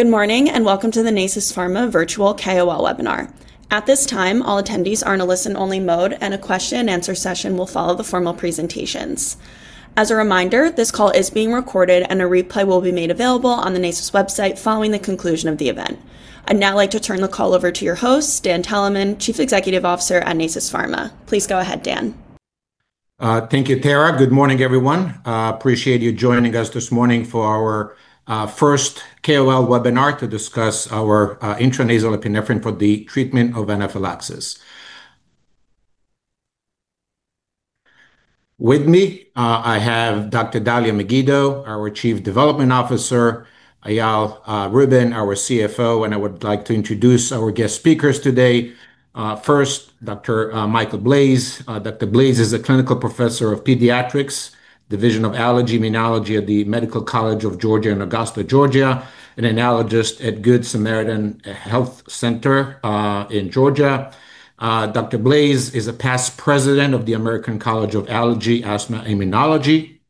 Good morning, welcome to the Nasus Pharma Virtual KOL Webinar. At this time, all attendees are in a listen-only mode, and a question-and-answer session will follow the formal presentations. As a reminder, this call is being recorded, and a replay will be made available on the Nasus website following the conclusion of the event. I'd now like to turn the call over to your host, Dan Teleman, Chief Executive Officer at Nasus Pharma. Please go ahead, Dan. Thank you, Tara. Good morning, everyone. Appreciate you joining us this morning for our first KOL webinar to discuss our intranasal epinephrine for the treatment of anaphylaxis. With me, I have Dr. Dalia Megiddo, our Chief Development Officer, Eyal Rubin, our CFO, and I would like to introduce our guest speakers today. First, Dr. Michael Blaiss. Dr. Blaiss is a Clinical Professor of Pediatrics, Division of Allergy, Immunology at the Medical College of Georgia in Augusta, Georgia, an allergist at Good Samaritan Health Center in Georgia. Dr. Blaiss is a past president of the American College of Allergy, Asthma and Immunology.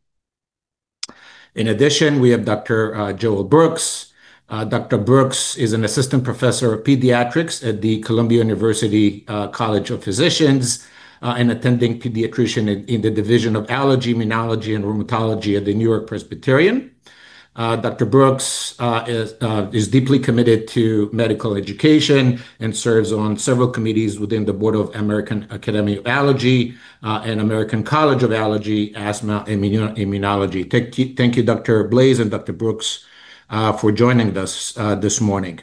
In addition, we have Dr. Joel Brooks. Dr. Brooks is an Assistant Professor of Pediatrics at the Columbia University College of Physicians and attending pediatrician in the Division of Allergy, Immunology, and Rheumatology at the NewYork-Presbyterian. Dr. Brooks is deeply committed to medical education and serves on several committees within the Board of American Academy of Allergy and American College of Allergy, Asthma and Immunology. Thank you, Dr. Blaiss and Dr. Brooks, for joining us this morning.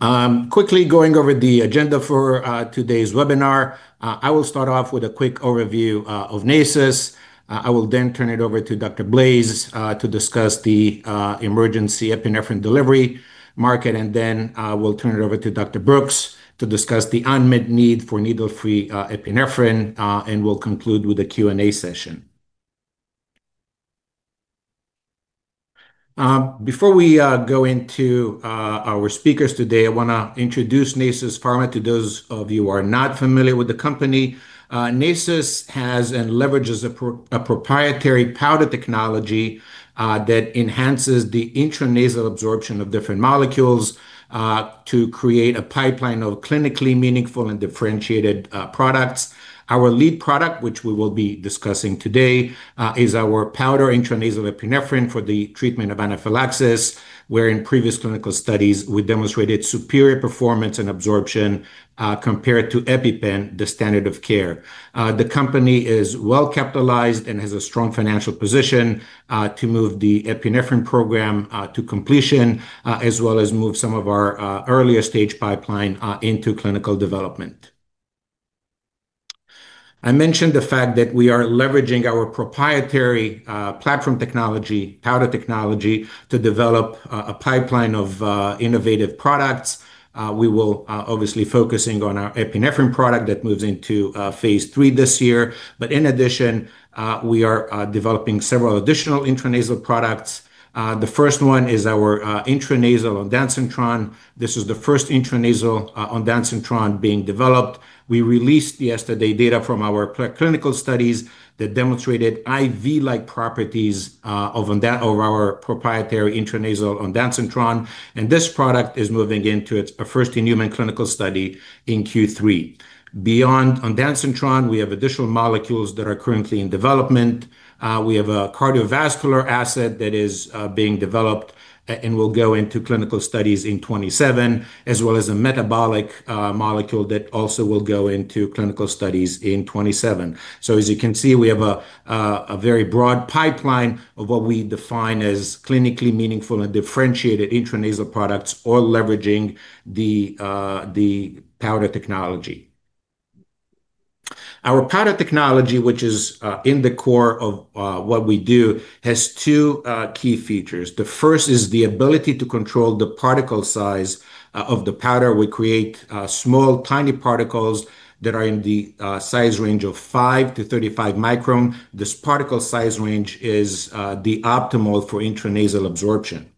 Quickly going over the agenda for today's webinar. I will start off with a quick overview of Nasus. I will then turn it over to Dr. Blaiss to discuss the emergency epinephrine delivery market, and then we'll turn it over to Dr. Brooks to discuss the unmet need for needle-free epinephrine, and we'll conclude with a Q&A session. Before we go into our speakers today, I want to introduce Nasus Pharma to those of you who are not familiar with the company. Nasus has and leverages a proprietary powder technology that enhances the intranasal absorption of different molecules to create a pipeline of clinically meaningful and differentiated products. Our lead product, which we will be discussing today, is our powder intranasal epinephrine for the treatment of anaphylaxis, where in previous clinical studies, we demonstrated superior performance and absorption compared to EpiPen, the standard of care. The company is well-capitalized and has a strong financial position to move the epinephrine program to completion as well as move some of our earlier-stage pipeline into clinical development. I mentioned the fact that we are leveraging our proprietary platform technology, powder technology, to develop a pipeline of innovative products. We will obviously be focusing on our epinephrine product that moves into phase III this year. In addition, we are developing several additional intranasal products. The first one is our intranasal ondansetron. This is the first intranasal ondansetron being developed. We released yesterday data from our clinical studies that demonstrated IV-like properties of our proprietary intranasal ondansetron, and this product is moving into its first-in-human clinical study in Q3. Beyond ondansetron, we have additional molecules that are currently in development. We have a cardiovascular asset that is being developed and will go into clinical studies in 2027, as well as a metabolic molecule that also will go into clinical studies in 2027. As you can see, we have a very broad pipeline of what we define as clinically meaningful and differentiated intranasal products, all leveraging the powder technology. Our powder technology, which is in the core of what we do, has two key features. The first is the ability to control the particle size of the powder. We create small, tiny particles that are in the size range of five to 35 micron. This particle size range is the optimal for intranasal absorption.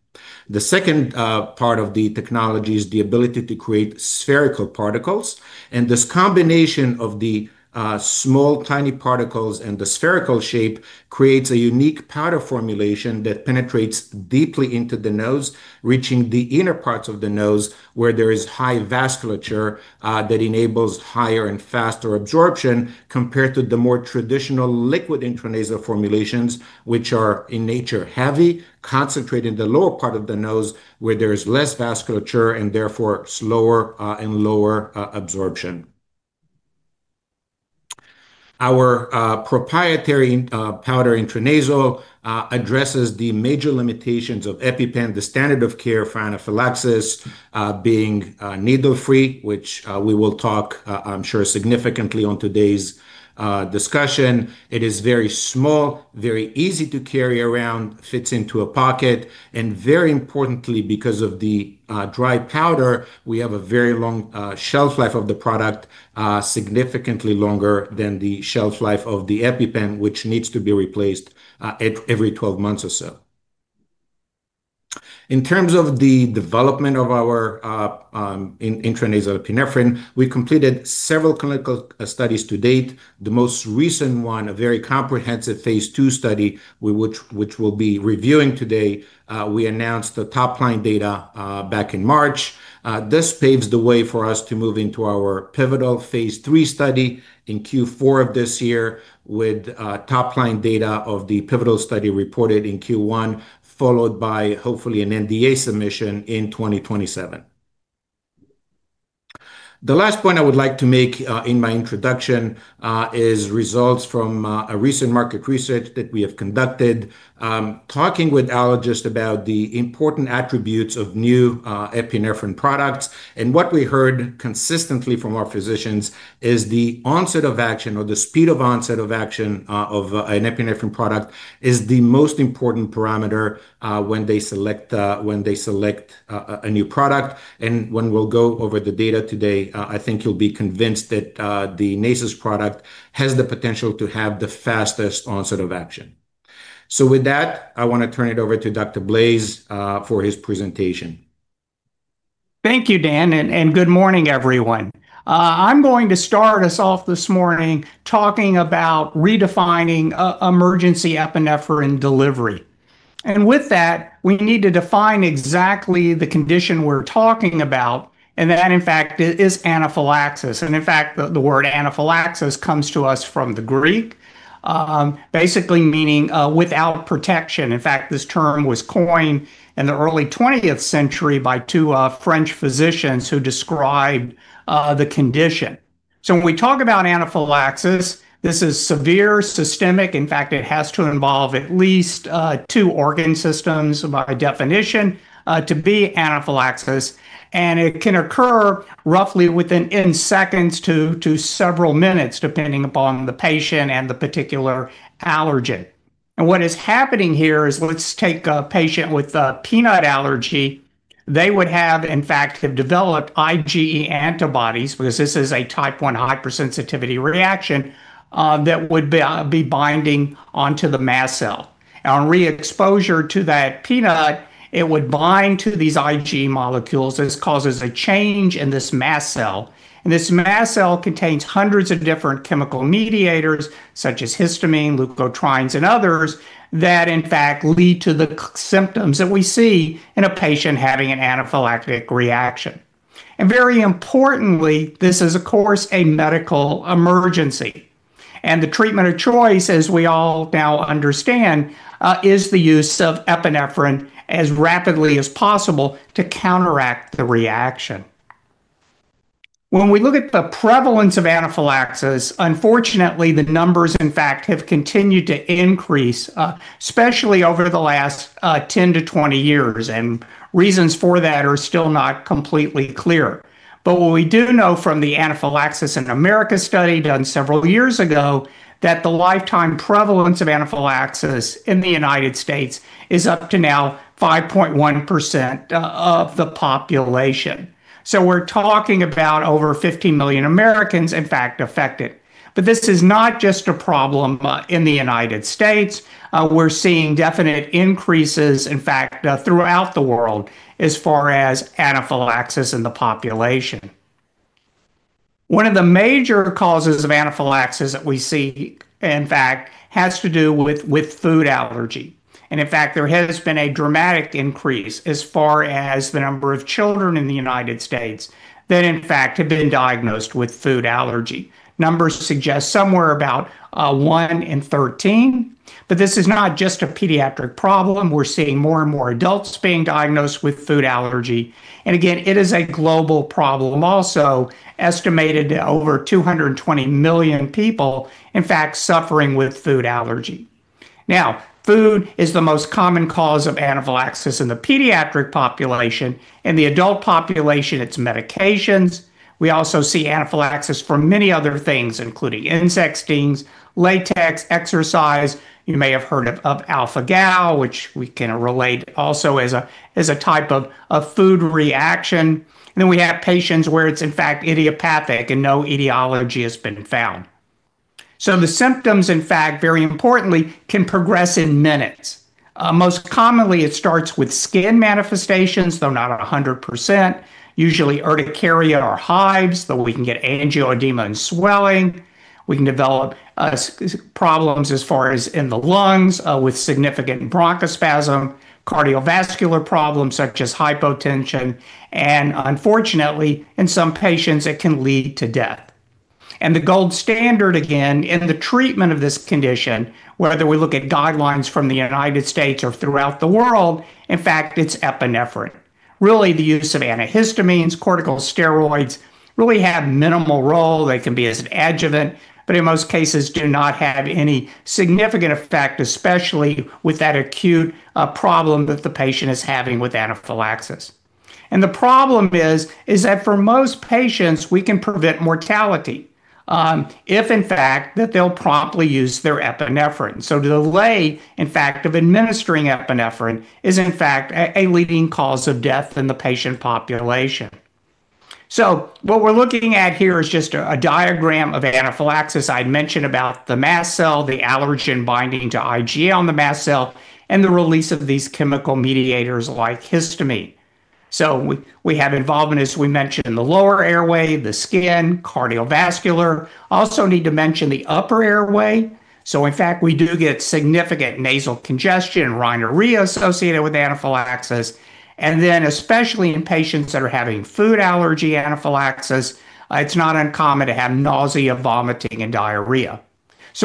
The second part of the technology is the ability to create spherical particles. This combination of the small, tiny particles and the spherical shape creates a unique powder formulation that penetrates deeply into the nose, reaching the inner parts of the nose, where there is high vasculature that enables higher and faster absorption compared to the more traditional liquid intranasal formulations, which are in nature heavy, concentrate in the lower part of the nose where there is less vasculature and therefore slower and lower absorption. Our proprietary powder intranasal addresses the major limitations of EpiPen, the standard of care for anaphylaxis, being needle-free, which we will talk, I'm sure, significantly on today's discussion. It is very small, very easy to carry around, fits into a pocket. Very importantly, because of the dry powder, we have a very long shelf life of the product, significantly longer than the shelf life of the EpiPen, which needs to be replaced every 12 months or so. In terms of the development of our intranasal epinephrine, we completed several clinical studies to date. The most recent one, a very comprehensive phase II study, which we'll be reviewing today. We announced the top-line data back in March. This paves the way for us to move into our pivotal phase III study in Q4 of this year with top-line data of the pivotal study reported in Q1, followed by hopefully an NDA submission in 2027. The last point I would like to make in my introduction is results from a recent market research that we have conducted, talking with allergists about the important attributes of new epinephrine products. What we heard consistently from our physicians is the onset of action or the speed of onset of action of an epinephrine product is the most important parameter when they select a new product. When we'll go over the data today, I think you'll be convinced that the Nasus product has the potential to have the fastest onset of action. With that, I want to turn it over to Dr. Blaiss for his presentation. Thank you, Dan, good morning, everyone. I'm going to start us off this morning talking about redefining emergency epinephrine delivery. With that, we need to define exactly the condition we're talking about, and that in fact is anaphylaxis. In fact, the word anaphylaxis comes to us from the Greek, basically meaning without protection. In fact, this term was coined in the early 20th century by two French physicians who described the condition. When we talk about anaphylaxis, this is severe systemic, in fact, it has to involve at least two organ systems by definition to be anaphylaxis, and it can occur roughly within seconds to several minutes, depending upon the patient and the particular allergen. What is happening here is let's take a patient with a peanut allergy. They would have, in fact, developed IgE antibodies, because this is a type 1 hypersensitivity reaction, that would be binding onto the mast cell. On re-exposure to that peanut, it would bind to these IgE molecules. This causes a change in this mast cell, and this mast cell contains hundreds of different chemical mediators such as histamine, leukotrienes, and others, that in fact lead to the symptoms that we see in a patient having an anaphylactic reaction. Very importantly, this is, of course, a medical emergency. The treatment of choice, as we all now understand, is the use of epinephrine as rapidly as possible to counteract the reaction. When we look at the prevalence of anaphylaxis, unfortunately, the numbers, in fact, have continued to increase, especially over the last 10-20 years, and reasons for that are still not completely clear. What we do know from the Anaphylaxis in America study done several years ago, that the lifetime prevalence of anaphylaxis in the U.S. is up to now 5.1% of the population. We're talking about over 15 million Americans, in fact, affected. This is not just a problem in the U.S. We're seeing definite increases, in fact, throughout the world as far as anaphylaxis in the population. One of the major causes of anaphylaxis that we see, in fact, has to do with food allergy. In fact, there has been a dramatic increase as far as the number of children in the U.S. that, in fact, have been diagnosed with food allergy. Numbers suggest somewhere about 1 in 13. This is not just a pediatric problem. We're seeing more and more adults being diagnosed with food allergy. Again, it is a global problem also, estimated at over 220 million people, in fact, suffering with food allergy. Food is the most common cause of anaphylaxis in the pediatric population. In the adult population, it's medications. We also see anaphylaxis for many other things, including insect stings, latex, exercise. You may have heard of alpha-gal, which we can relate also as a type of food reaction. Then we have patients where it's, in fact, idiopathic and no etiology has been found. The symptoms, in fact, very importantly, can progress in minutes. Most commonly, it starts with skin manifestations, though not 100%. Usually urticaria or hives, though we can get angioedema and swelling. We can develop problems as far as in the lungs, with significant bronchospasm, cardiovascular problems such as hypotension, and unfortunately, in some patients, it can lead to death. The gold standard, again, in the treatment of this condition, whether we look at guidelines from the U.S. or throughout the world, in fact, it's epinephrine. The use of antihistamines, corticosteroids really have minimal role. They can be as an adjuvant, but in most cases do not have any significant effect, especially with that acute problem that the patient is having with anaphylaxis. The problem is that for most patients, we can prevent mortality if, in fact, that they'll promptly use their epinephrine. Delay, in fact, of administering epinephrine is, in fact, a leading cause of death in the patient population. What we're looking at here is just a diagram of anaphylaxis. I mentioned about the mast cell, the allergen binding to IgE on the mast cell, and the release of these chemical mediators like histamine. We have involvement, as we mentioned, in the lower airway, the skin, cardiovascular. Also need to mention the upper airway. In fact, we do get significant nasal congestion and rhinorrhea associated with anaphylaxis. Especially in patients that are having food allergy anaphylaxis, it's not uncommon to have nausea, vomiting, and diarrhea.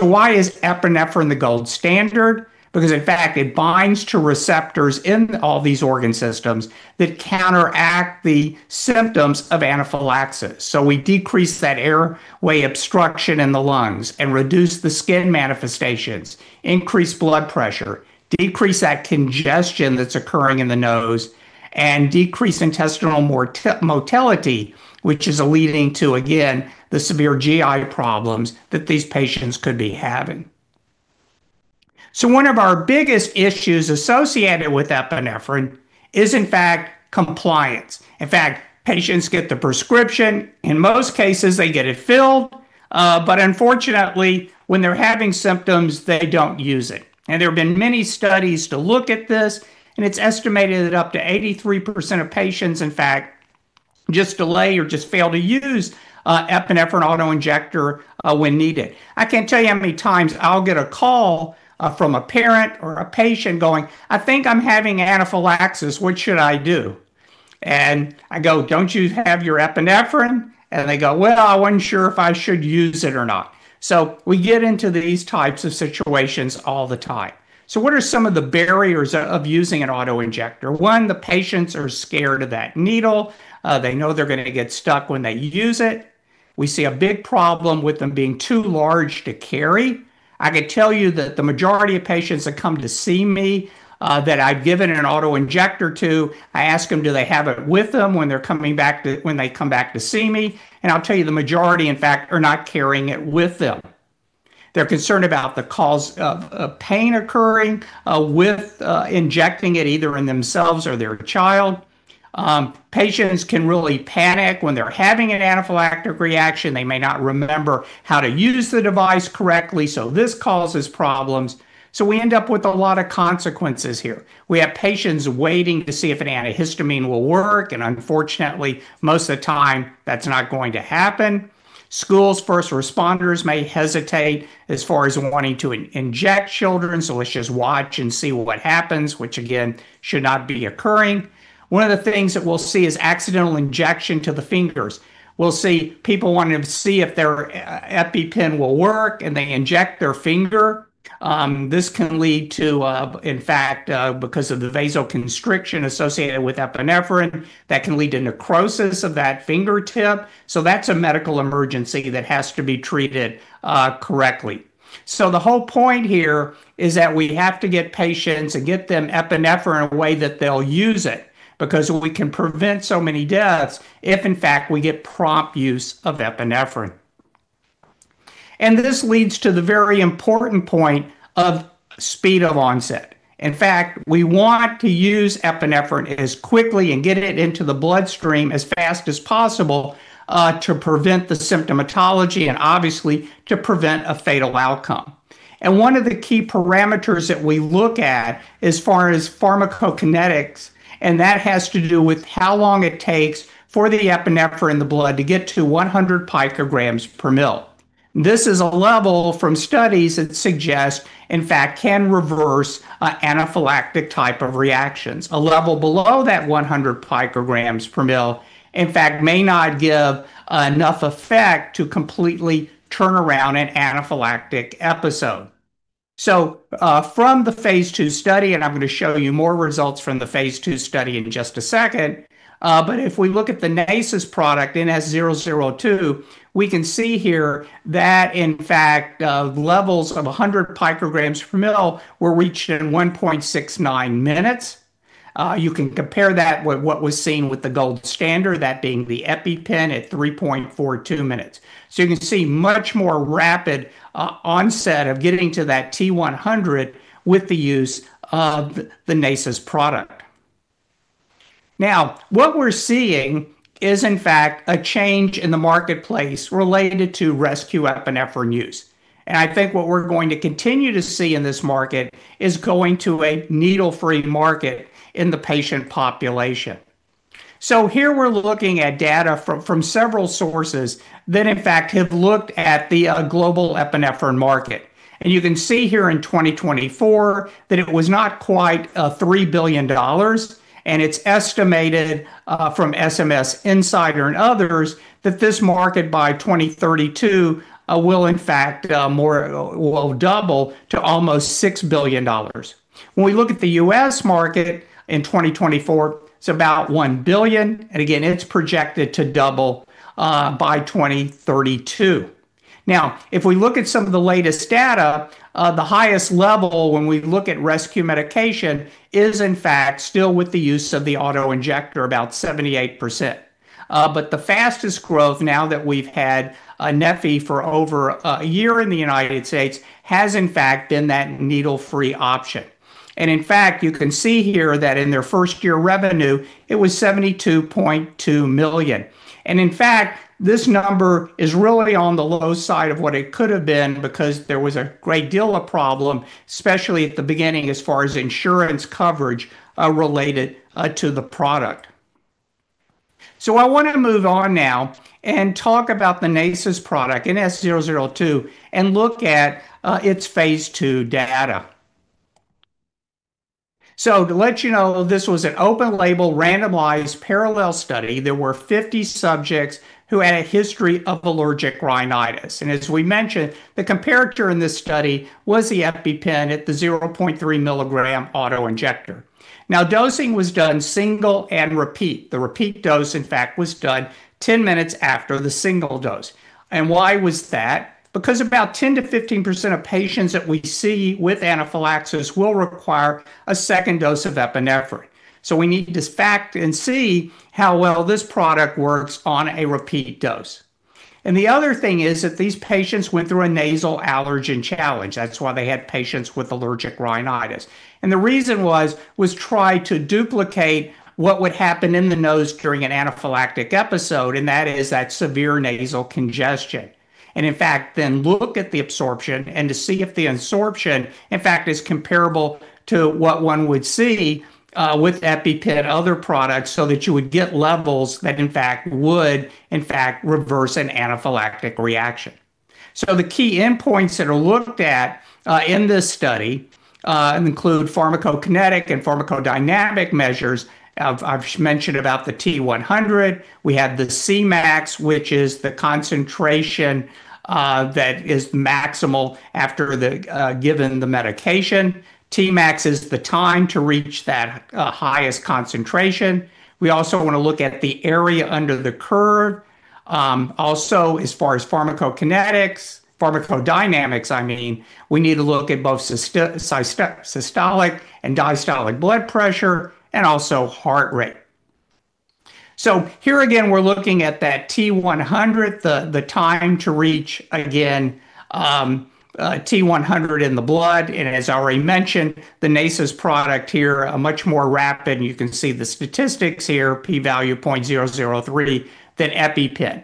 Why is epinephrine the gold standard? Because in fact, it binds to receptors in all these organ systems that counteract the symptoms of anaphylaxis. We decrease that airway obstruction in the lungs and reduce the skin manifestations, increase blood pressure, decrease that congestion that's occurring in the nose, and decrease intestinal motility, which is leading to, again, the severe GI problems that these patients could be having. One of our biggest issues associated with epinephrine is, in fact, compliance. In fact, patients get the prescription. In most cases, they get it filled. Unfortunately, when they're having symptoms, they don't use it. There have been many studies to look at this, and it's estimated that up to 83% of patients, in fact, just delay or just fail to use epinephrine auto-injector when needed. I can't tell you how many times I'll get a call from a parent or a patient going, "I think I'm having anaphylaxis. What should I do?" And I go, "Don't you have your epinephrine?" And they go, "Well, I wasn't sure if I should use it or not." We get into these types of situations all the time. What are some of the barriers of using an auto-injector? One, the patients are scared of that needle. They know they're going to get stuck when they use it. We see a big problem with them being too large to carry. I could tell you that the majority of patients that come to see me, that I've given an auto-injector to, I ask them, do they have it with them when they come back to see me? I'll tell you, the majority, in fact, are not carrying it with them. They're concerned about the cause of pain occurring with injecting it either in themselves or their child. Patients can really panic when they're having an anaphylactic reaction. They may not remember how to use the device correctly, so this causes problems. We end up with a lot of consequences here. We have patients waiting to see if an antihistamine will work, and unfortunately, most of the time that's not going to happen. Schools' first responders may hesitate as far as wanting to inject children. Let's just watch and see what happens. Which again, should not be occurring. One of the things that we'll see is accidental injection to the fingers. We'll see people wanting to see if their EpiPen will work, and they inject their finger. This can lead to, in fact, because of the vasoconstriction associated with epinephrine, that can lead to necrosis of that fingertip. That is a medical emergency that has to be treated correctly. The whole point here is that we have to get patients and get them epinephrine in a way that they'll use it. We can prevent so many deaths if in fact, we get prompt use of epinephrine. This leads to the very important point of speed of onset. In fact, we want to use epinephrine as quickly and get it into the bloodstream as fast as possible, to prevent the symptomatology and obviously to prevent a fatal outcome. One of the key parameters that we look at as far as pharmacokinetics, and that has to do with how long it takes for the epinephrine in the blood to get to 100 pg/ml. This is a level from studies that suggest, in fact, can reverse anaphylactic type of reactions. A level below that 100 pg/ml, in fact, may not give enough effect to completely turn around an anaphylactic episode. From the phase II study, and I am going to show you more results from the phase II study in just a second. If we look at the Nasus product, NS002, we can see here that in fact, levels of 100 picograms per mil were reached in 1.69 minutes. You can compare that with what was seen with the gold standard, that being the EpiPen at 3.42 minutes. You can see much more rapid onset of getting to that T100 with the use of the Nasus product. What we're seeing is, in fact, a change in the marketplace related to rescue epinephrine use. I think what we're going to continue to see in this market is going to a needle-free market in the patient population. Here we're looking at data from several sources that, in fact, have looked at the global epinephrine market. You can see here in 2024 that it was not quite $3 billion. It is estimated from SNS Insider and others that this market by 2032 will in fact double to almost $6 billion. When we look at the U.S. market in 2024, it is about $1 billion, and again, it is projected to double by 2032. If we look at some of the latest data, the highest level when we look at rescue medication is in fact still with the use of the auto-injector, about 78%. The fastest growth now that we've had a neffy for over a year in the United States has in fact been that needle-free option. In fact, you can see here that in their first-year revenue, it was $72.2 million. In fact, this number is really on the low side of what it could have been because there was a great deal of problem, especially at the beginning as far as insurance coverage related to the product. I want to move on now and talk about the Nasus product, NS002, and look at its phase II data. To let you know, this was an open-label, randomized, parallel study. There were 50 subjects who had a history of allergic rhinitis. As we mentioned, the comparator in this study was the EpiPen at the 0.3 mg auto-injector. Dosing was done single and repeat. The repeat dose, in fact, was done 10 minutes after the single dose. Why was that? Because about 10%-15% of patients that we see with anaphylaxis will require a second dose of epinephrine. We need to fact and see how well this product works on a repeat dose. The other thing is that these patients went through a nasal allergen challenge. That's why they had patients with allergic rhinitis. The reason was try to duplicate what would happen in the nose during an anaphylactic episode, and that is that severe nasal congestion. In fact, then look at the absorption and to see if the absorption, in fact, is comparable to what one would see with EpiPen, other products, so that you would get levels that would, in fact, reverse an anaphylactic reaction. The key endpoints that are looked at in this study include pharmacokinetic and pharmacodynamic measures. I've mentioned about the T100. We have the Cmax, which is the concentration that is maximal after given the medication. Tmax is the time to reach that highest concentration. We also want to look at the area under the curve. Also, as far as pharmacokinetics, pharmacodynamics, I mean, we need to look at both systolic and diastolic blood pressure and also heart rate. Here again, we're looking at that T100, the time to reach, again T100 in the blood. As already mentioned, the Nasus product here are much more rapid. You can see the statistics here, p-value 0.003, then EpiPen.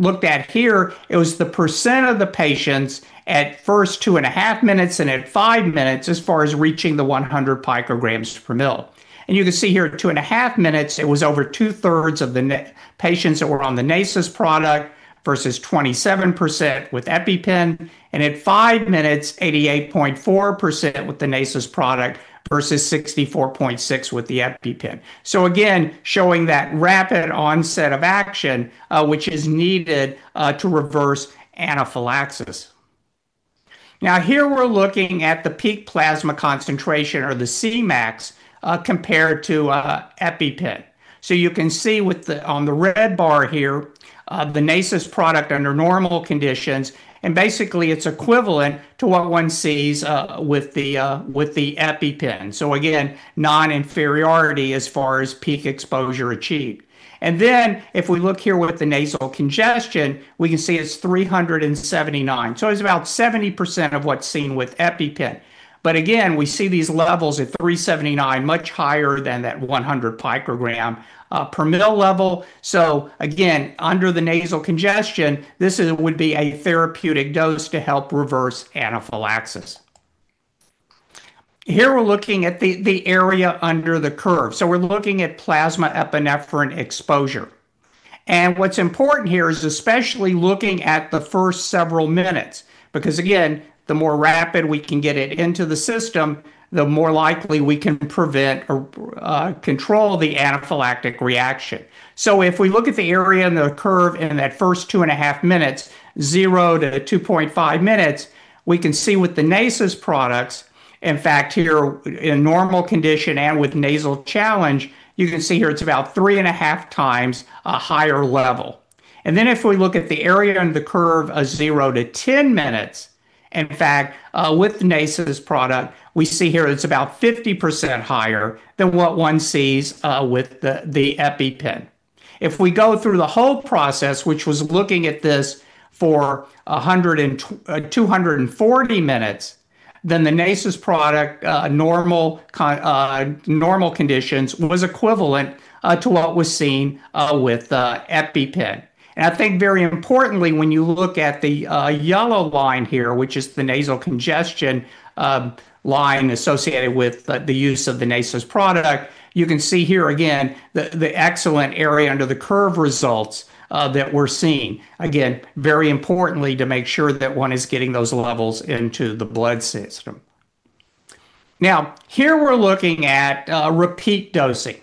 Looked at here, it was the percent of the patients at first two and a half minutes and at five minutes, as far as reaching the 100 pg/ml. You can see here at two and a half minutes, it was over 2/3 of the patients that were on the Nasus product, versus 27% with EpiPen, and at five minutes, 88.4% with the Nasus product versus 64.6% with the EpiPen. Again, showing that rapid onset of action, which is needed to reverse anaphylaxis. Here we're looking at the peak plasma concentration or the Cmax, compared to EpiPen. You can see on the red bar here, the Nasus product under normal conditions, and basically it's equivalent to what one sees with the EpiPen. Again, non-inferiority as far as peak exposure achieved. Then if we look here with the nasal congestion, we can see it's 379. It's about 70% of what's seen with EpiPen. Again, we see these levels at 379, much higher than that 100 pg/ml level. Again, under the nasal congestion, this would be a therapeutic dose to help reverse anaphylaxis. Here we're looking at the area under the curve. We're looking at plasma epinephrine exposure. What's important here is especially looking at the first several minutes, because again, the more rapid we can get it into the system, the more likely we can prevent or control the anaphylactic reaction. If we look at the area in the curve in that first two and a half minutes, 0 to 2.5 minutes, we can see with the Nasus products, in fact, here in normal condition and with nasal challenge, you can see here it's about 3.5 times a higher level. If we look at the area under the curve, 0 to 10 minutes, in fact, with Nasus product, we see here it's about 50% higher than what one sees with the EpiPen. If we go through the whole process then the Nasus product normal conditions was equivalent to what was seen with EpiPen. I think very importantly, when you look at the yellow line here, which is the nasal congestion line associated with the use of the Nasus product, you can see here again the excellent area under the curve results that we're seeing. Very importantly, to make sure that one is getting those levels into the blood system. Now, here we're looking at repeat dosing.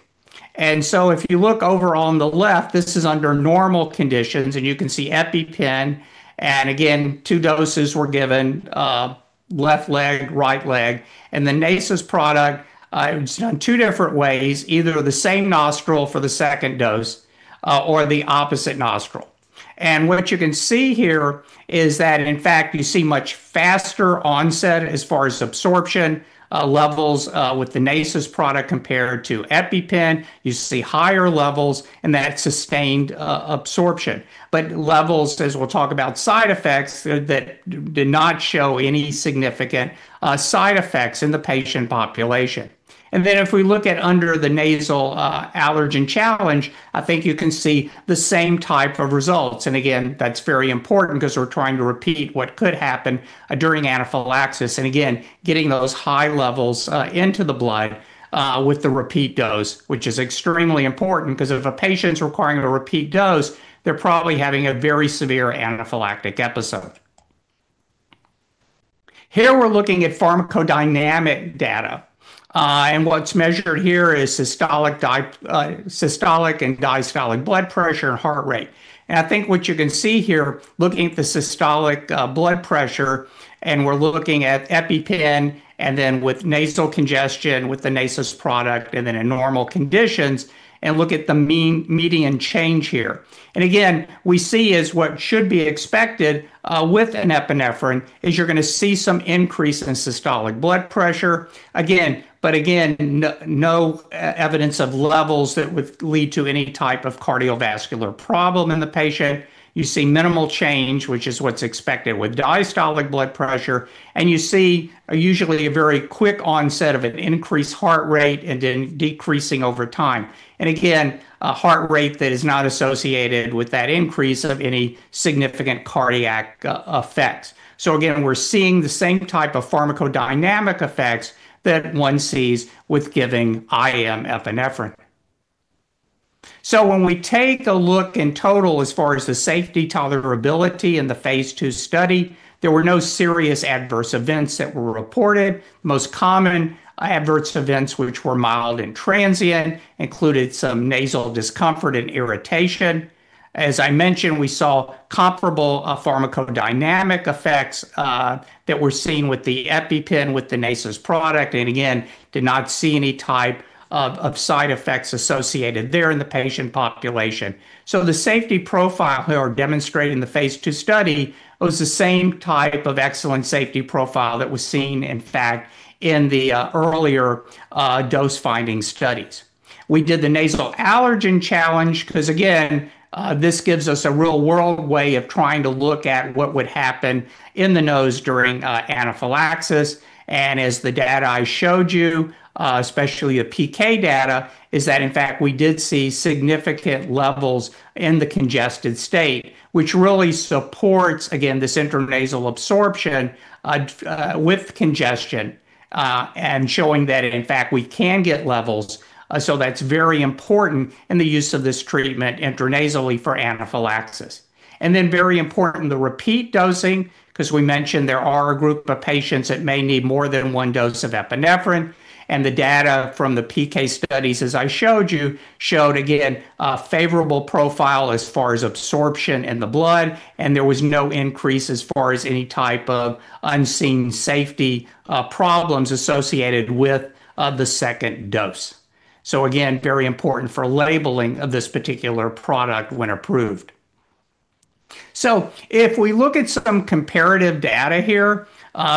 If you look over on the left, this is under normal conditions, and you can see EpiPen, again, two doses were given, left leg, right leg. The Nasus product is done two different ways, either the same nostril for the second dose or the opposite nostril. What you can see here is that, in fact, you see much faster onset as far as absorption levels with the Nasus product compared to EpiPen. You see higher levels and that sustained absorption. Levels, as we'll talk about side effects, that did not show any significant side effects in the patient population. If we look at under the nasal allergen challenge, I think you can see the same type of results. Again, that's very important because we're trying to repeat what could happen during anaphylaxis, again, getting those high levels into the blood with the repeat dose, which is extremely important because if a patient's requiring a repeat dose, they're probably having a very severe anaphylactic episode. Here we're looking at pharmacodynamic data. What's measured here is systolic and diastolic blood pressure and heart rate. I think what you can see here, looking at the systolic blood pressure, we're looking at EpiPen, with nasal congestion with the Nasus product, in normal conditions, look at the median change here. Again, we see is what should be expected with an epinephrine, is you're going to see some increase in systolic blood pressure. Again, no evidence of levels that would lead to any type of cardiovascular problem in the patient. You see minimal change, which is what's expected with diastolic blood pressure. You see usually a very quick onset of an increased heart rate and then decreasing over time. Again, a heart rate that is not associated with that increase of any significant cardiac effects. Again, we're seeing the same type of pharmacodynamic effects that one sees with giving IM epinephrine. When we take a look in total as far as the safety tolerability in the phase II study, there were no serious adverse events that were reported. Most common adverse events, which were mild and transient, included some nasal discomfort and irritation. As I mentioned, we saw comparable pharmacodynamic effects that we're seeing with the EpiPen, with the Nasus product. Again, did not see any type of side effects associated there in the patient population. The safety profile demonstrated in the phase II study was the same type of excellent safety profile that was seen, in fact, in the earlier dose-finding studies. We did the nasal allergen challenge because, again, this gives us a real-world way of trying to look at what would happen in the nose during anaphylaxis. As the data I showed you, especially a PK data, is that in fact we did see significant levels in the congested state, which really supports, again, this intranasal absorption with congestion, and showing that, in fact, we can get levels. That's very important in the use of this treatment intranasally for anaphylaxis. Very important, the repeat dosing, because we mentioned there are a group of patients that may need more than one dose of epinephrine. The data from the PK studies, as I showed you, showed, again, a favorable profile as far as absorption in the blood, and there was no increase as far as any type of unseen safety problems associated with the second dose. Again, very important for labeling of this particular product when approved. If we look at some comparative data here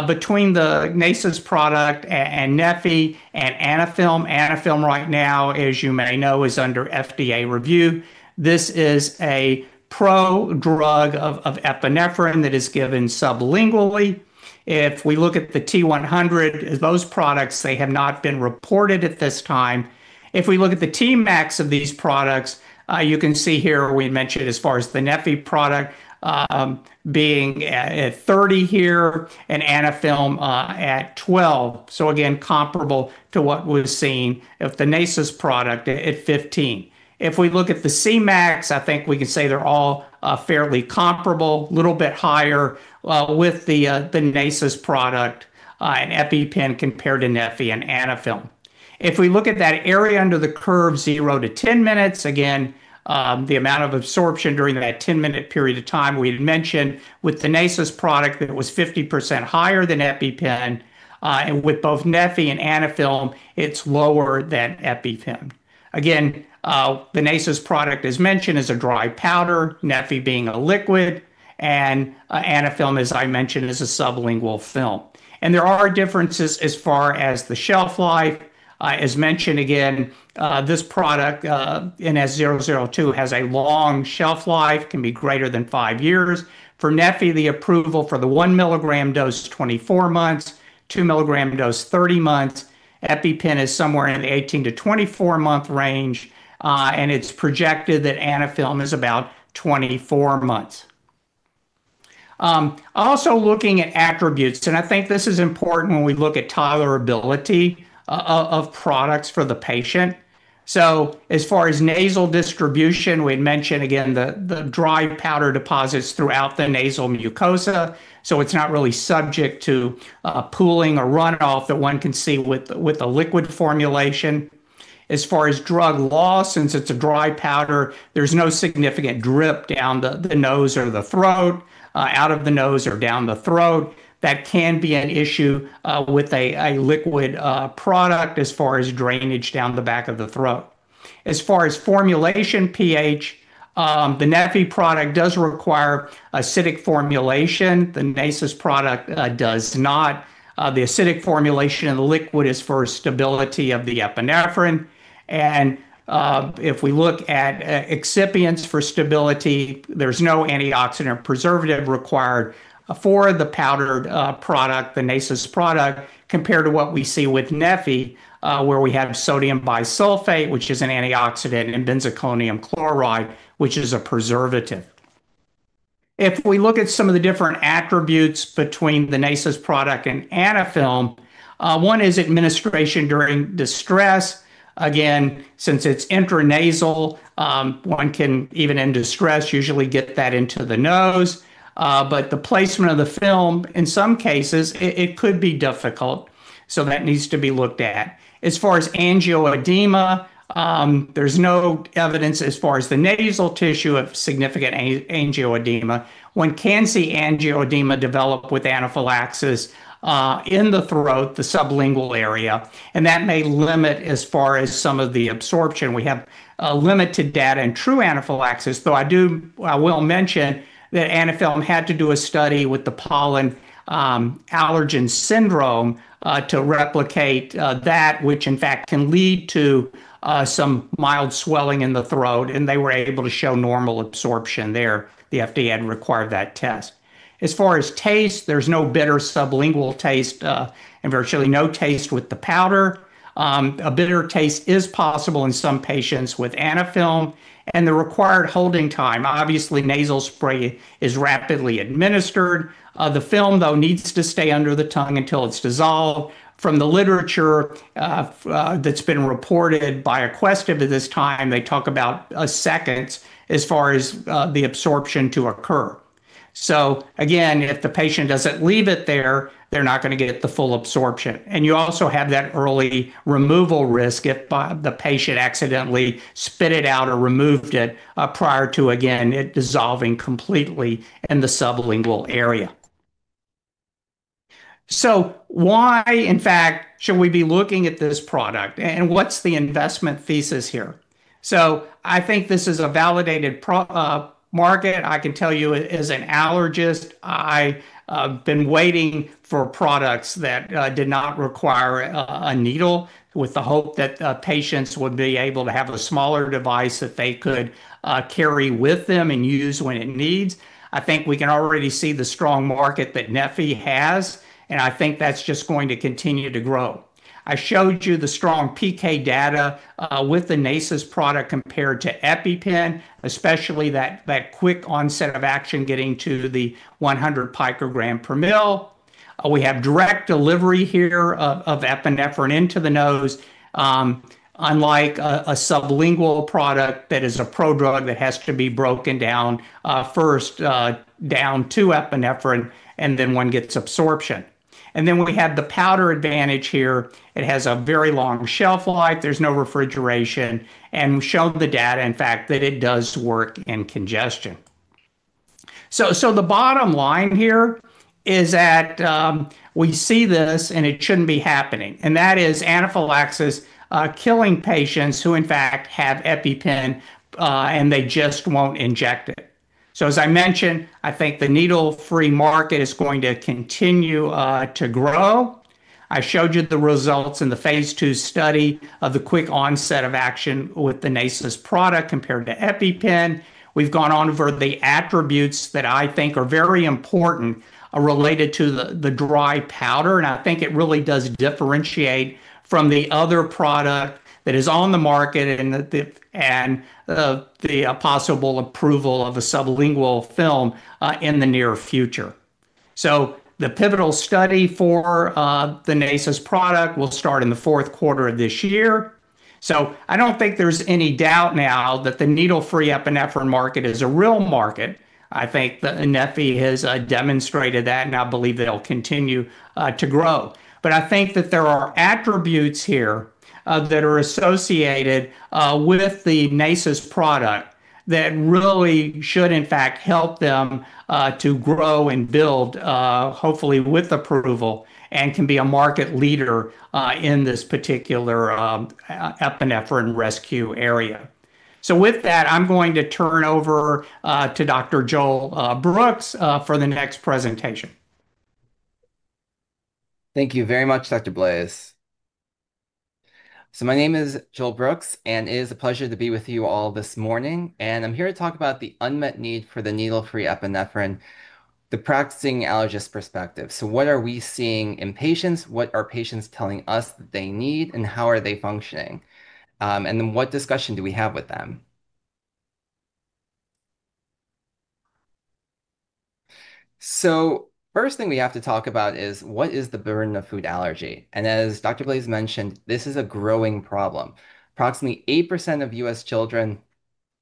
between the Nasus product and neffy and Anaphylm. Anaphylm right now, as you may know, is under FDA review. This is a prodrug of epinephrine that is given sublingually. If we look at the T100, those products, they have not been reported at this time. If we look at the Tmax of these products, you can see here we mentioned as far as the neffy product being at 30 here and Anaphylm at 12. Again, comparable to what we've seen of the Nasus product at 15. If we look at the Cmax, I think we can say they're all fairly comparable, little bit higher with the Nasus product and EpiPen compared to neffy and Anaphylm. If we look at that area under the curve, 0 to 10 minutes, again, the amount of absorption during that 10-minute period of time we had mentioned with the Nasus product that it was 50% higher than EpiPen. With both neffy and Anaphylm, it's lower than EpiPen. The Nasus product, as mentioned, is a dry powder, neffy being a liquid, and Anaphylm, as I mentioned, is a sublingual film. There are differences as far as the shelf life. As mentioned again, this product, NS002, has a long shelf life, can be greater than five years. For neffy, the approval for the 1 mg dose is 24 months, 2 mg dose 30 months. EpiPen is somewhere in the 18 to 24-month range. It's projected that Anaphylm is about 24 months. Looking at attributes, and I think this is important when we look at tolerability of products for the patient. As far as nasal distribution, we had mentioned, again, the dry powder deposits throughout the nasal mucosa, so it's not really subject to pooling or runoff that one can see with a liquid formulation. As far as drug loss, since it's a dry powder, there's no significant drip down the nose or the throat, out of the nose or down the throat. That can be an issue with a liquid product as far as drainage down the back of the throat. As far as formulation pH, the neffy product does require acidic formulation. The Nasus product does not. The acidic formulation of the liquid is for stability of the epinephrine. If we look at excipients for stability, there's no antioxidant preservative required for the powdered product, the Nasus product, compared to what we see with neffy, where we have sodium bisulfite, which is an antioxidant, and benzalkonium chloride, which is a preservative. If we look at some of the different attributes between the Nasus product and Anaphylm, one is administration during distress. Again, since it's intranasal, one can, even in distress, usually get that into the nose. The placement of the film, in some cases, it could be difficult, so that needs to be looked at. As far as angioedema, there's no evidence as far as the nasal tissue of significant angioedema. One can see angioedema develop with anaphylaxis in the throat, the sublingual area, and that may limit as far as some of the absorption. We have limited data in true anaphylaxis, though I will mention that Anaphylm had to do a study with the oral allergy syndrome to replicate that, which in fact can lead to some mild swelling in the throat, and they were able to show normal absorption there. The FDA had required that test. As far as taste, there's no bitter sublingual taste, and virtually no taste with the powder. A bitter taste is possible in some patients with Anaphylm. The required holding time, obviously nasal spray is rapidly administered. The film, though, needs to stay under the tongue until it's dissolved. From the literature that's been reported by Aquestive to this time, they talk about seconds as far as the absorption to occur. Again, if the patient doesn't leave it there, they're not going to get the full absorption. You also have that early removal risk if the patient accidentally spit it out or removed it prior to, again, it dissolving completely in the sublingual area. Why, in fact, should we be looking at this product, and what's the investment thesis here? I think this is a validated market. I can tell you as an allergist, I've been waiting for products that did not require a needle with the hope that patients would be able to have a smaller device that they could carry with them and use when it needs. I think we can already see the strong market that neffy has, and I think that's just going to continue to grow. I showed you the strong PK data with the Nasus product compared to EpiPen, especially that quick onset of action getting to the T100 pg/ml. We have direct delivery here of epinephrine into the nose. Unlike a sublingual product that is a prodrug that has to be broken down first, down to epinephrine, and then one gets absorption. Then we have the powder advantage here. It has a very long shelf life. There's no refrigeration, and we showed the data, in fact, that it does work in congestion. The bottom line here is that we see this and it shouldn't be happening, and that is anaphylaxis killing patients who in fact have EpiPen and they just won't inject it. As I mentioned, I think the needle-free market is going to continue to grow. I showed you the results in the phase II study of the quick onset of action with the Nasus product compared to EpiPen. We've gone on over the attributes that I think are very important related to the dry powder, and I think it really does differentiate from the other product that is on the market and the possible approval of a sublingual film in the near future. The pivotal study for the Nasus product will start in the fourth quarter of this year. I don't think there's any doubt now that the needle-free epinephrine market is a real market. I think that neffy has demonstrated that, and I believe it'll continue to grow. I think that there are attributes here that are associated with the Nasus product that really should in fact help them to grow and build, hopefully with approval, and can be a market leader in this particular epinephrine rescue area. With that, I'm going to turn over to Dr. Joel Brooks for the next presentation. Thank you very much, Dr. Blaiss. My name is Joel Brooks, and it is a pleasure to be with you all this morning. I'm here to talk about the unmet need for the needle-free epinephrine, the practicing allergist perspective. What are we seeing in patients, what are patients telling us that they need, and how are they functioning? What discussion do we have with them? First thing we have to talk about is what is the burden of food allergy? As Dr. Blaiss mentioned, this is a growing problem. Approximately 8% of U.S. children,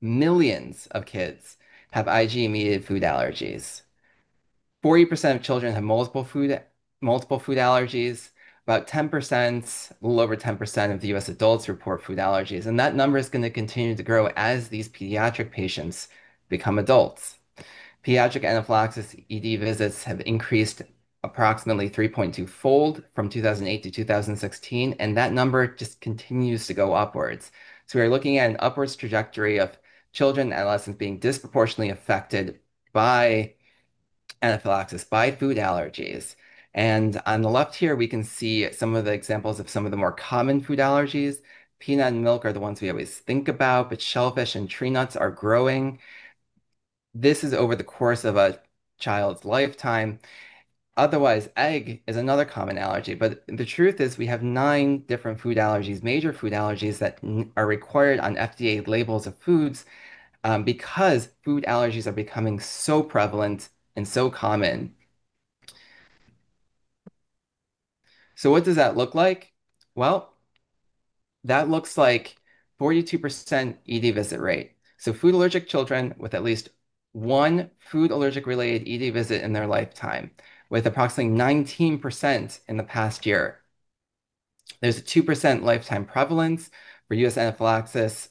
millions of kids, have IgE immediate food allergies. 40% of children have multiple food allergies. About 10%, a little over 10% of the U.S. adults report food allergies, and that number is going to continue to grow as these pediatric patients become adults. Pediatric anaphylaxis ED visits have increased approximately 3.2-fold from 2008-2016, and that number just continues to go upwards. We are looking at an upwards trajectory of children and adolescents being disproportionately affected by anaphylaxis, by food allergies. On the left here, we can see some of the examples of some of the more common food allergies. Peanut and milk are the ones we always think about, but shellfish and tree nuts are growing. This is over the course of a child's lifetime. Otherwise, egg is another common allergy. The truth is we have nine different food allergies, major food allergies, that are required on FDA labels of foods because food allergies are becoming so prevalent and so common. What does that look like? That looks like 42% ED visit rate. Food allergic children with at least one food allergic related ED visit in their lifetime, with approximately 19% in the past year. There is a 2% lifetime prevalence for U.S. anaphylaxis,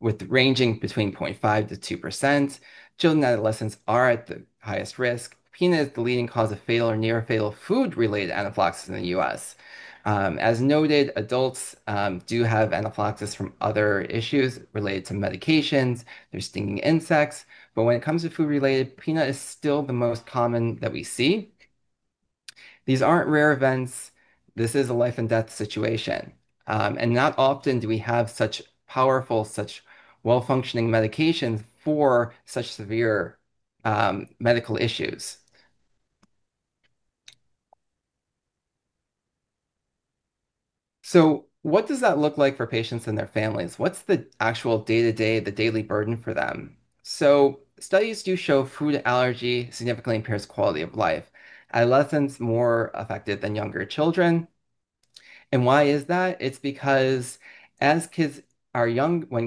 with ranging between 0.5%-2%. Children and adolescents are at the highest risk. Peanut is the leading cause of fatal or near fatal food-related anaphylaxis in the U.S. As noted, adults do have anaphylaxis from other issues related to medications, there is stinging insects, but when it comes to food related, peanut is still the most common that we see. These are not rare events. This is a life and death situation. Not often do we have such powerful, such well-functioning medications for such severe medical issues. What does that look like for patients and their families? What is the actual day-to-day, the daily burden for them? Studies do show food allergy significantly impairs quality of life. Adolescents more affected than younger children. Why is that? It is because when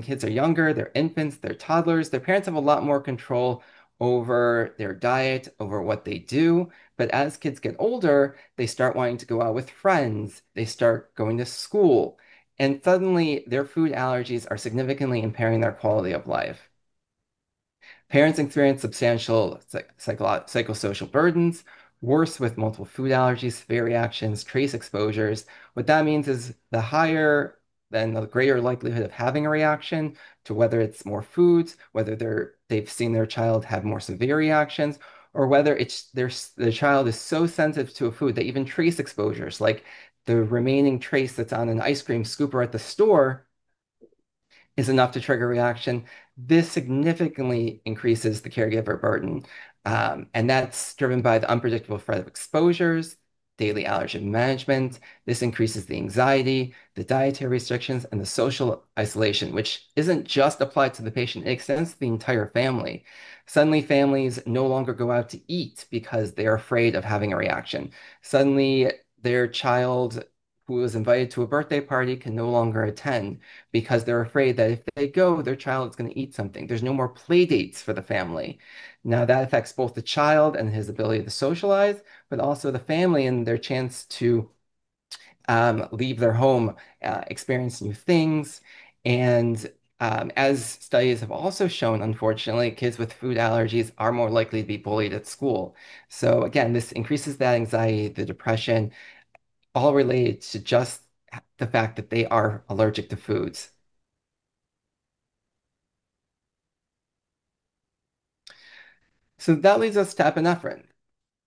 kids are younger, they are infants, they are toddlers, their parents have a lot more control over their diet, over what they do. As kids get older, they start wanting to go out with friends. They start going to school. Suddenly their food allergies are significantly impairing their quality of life. Parents experience substantial psychosocial burdens, worse with multiple food allergies, severe reactions, trace exposures. What that means is the higher, then the greater likelihood of having a reaction to whether it is more foods, whether they have seen their child have more severe reactions, or whether it is the child is so sensitive to a food that even trace exposures, like the remaining trace that is on an ice cream scooper at the store is enough to trigger a reaction. This significantly increases the caregiver burden. That is driven by the unpredictable threat of exposures, daily allergen management. This increases the anxiety, the dietary restrictions, and the social isolation, which is not just applied to the patient. It extends to the entire family. Suddenly families no longer go out to eat because they are afraid of having a reaction. Suddenly their child who was invited to a birthday party can no longer attend because they are afraid that if they go, their child is going to eat something. There is no more play dates for the family. That affects both the child and his ability to socialize, but also the family and their chance to leave their home, experience new things. As studies have also shown, unfortunately, kids with food allergies are more likely to be bullied at school. Again, this increases that anxiety, the depression, all related to just the fact that they are allergic to foods. That leads us to epinephrine.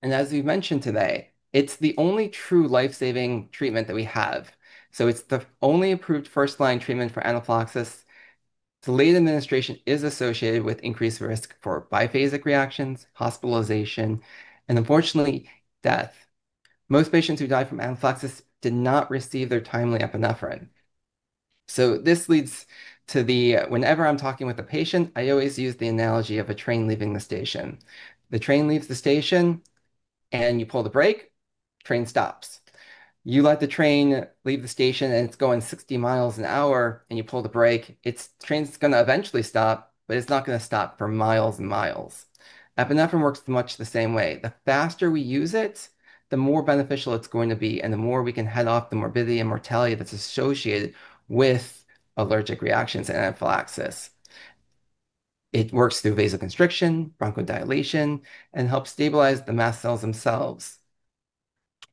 As we have mentioned today, it is the only true life-saving treatment that we have. It is the only approved first-line treatment for anaphylaxis. Delayed administration is associated with increased risk for biphasic reactions, hospitalization, and unfortunately, death. Most patients who died from anaphylaxis did not receive their timely epinephrine. This leads to the, whenever I am talking with a patient, I always use the analogy of a train leaving the station. The train leaves the station and you pull the brake, train stops. You let the train leave the station and it is going 60 mi/h and you pull the brake, the train is going to eventually stop, but it is not going to stop for miles and miles. Epinephrine works much the same way. The faster we use it, the more beneficial it's going to be and the more we can head off the morbidity and mortality that's associated with allergic reactions and anaphylaxis. It works through vasoconstriction, bronchodilation, and helps stabilize the mast cells themselves.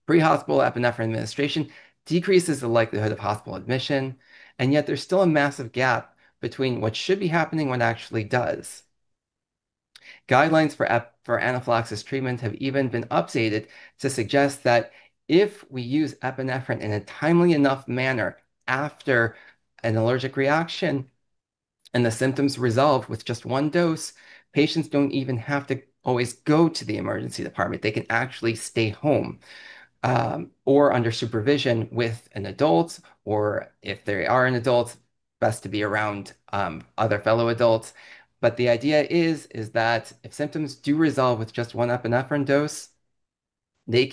Pre-hospital epinephrine administration decreases the likelihood of hospital admission, yet there's still a massive gap between what should be happening and what actually does. Guidelines for anaphylaxis treatment have even been updated to suggest that if we use epinephrine in a timely enough manner after an allergic reaction and the symptoms resolve with just one dose, patients don't even have to always go to the emergency department. They can actually stay home. Under supervision with an adult, or if they are an adult, best to be around other fellow adults. The idea is that if symptoms do resolve with just one epinephrine dose, they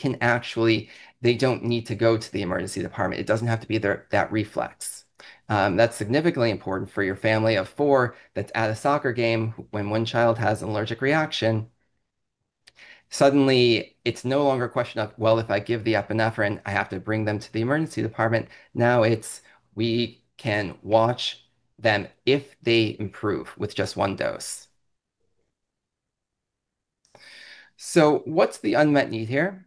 don't need to go to the emergency department. It doesn't have to be that reflex. That's significantly important for your family of four that's at a soccer game when one child has an allergic reaction. Suddenly it's no longer a question of, well, if I give the epinephrine, I have to bring them to the emergency department. Now it's we can watch them if they improve with just one dose. What's the unmet need here?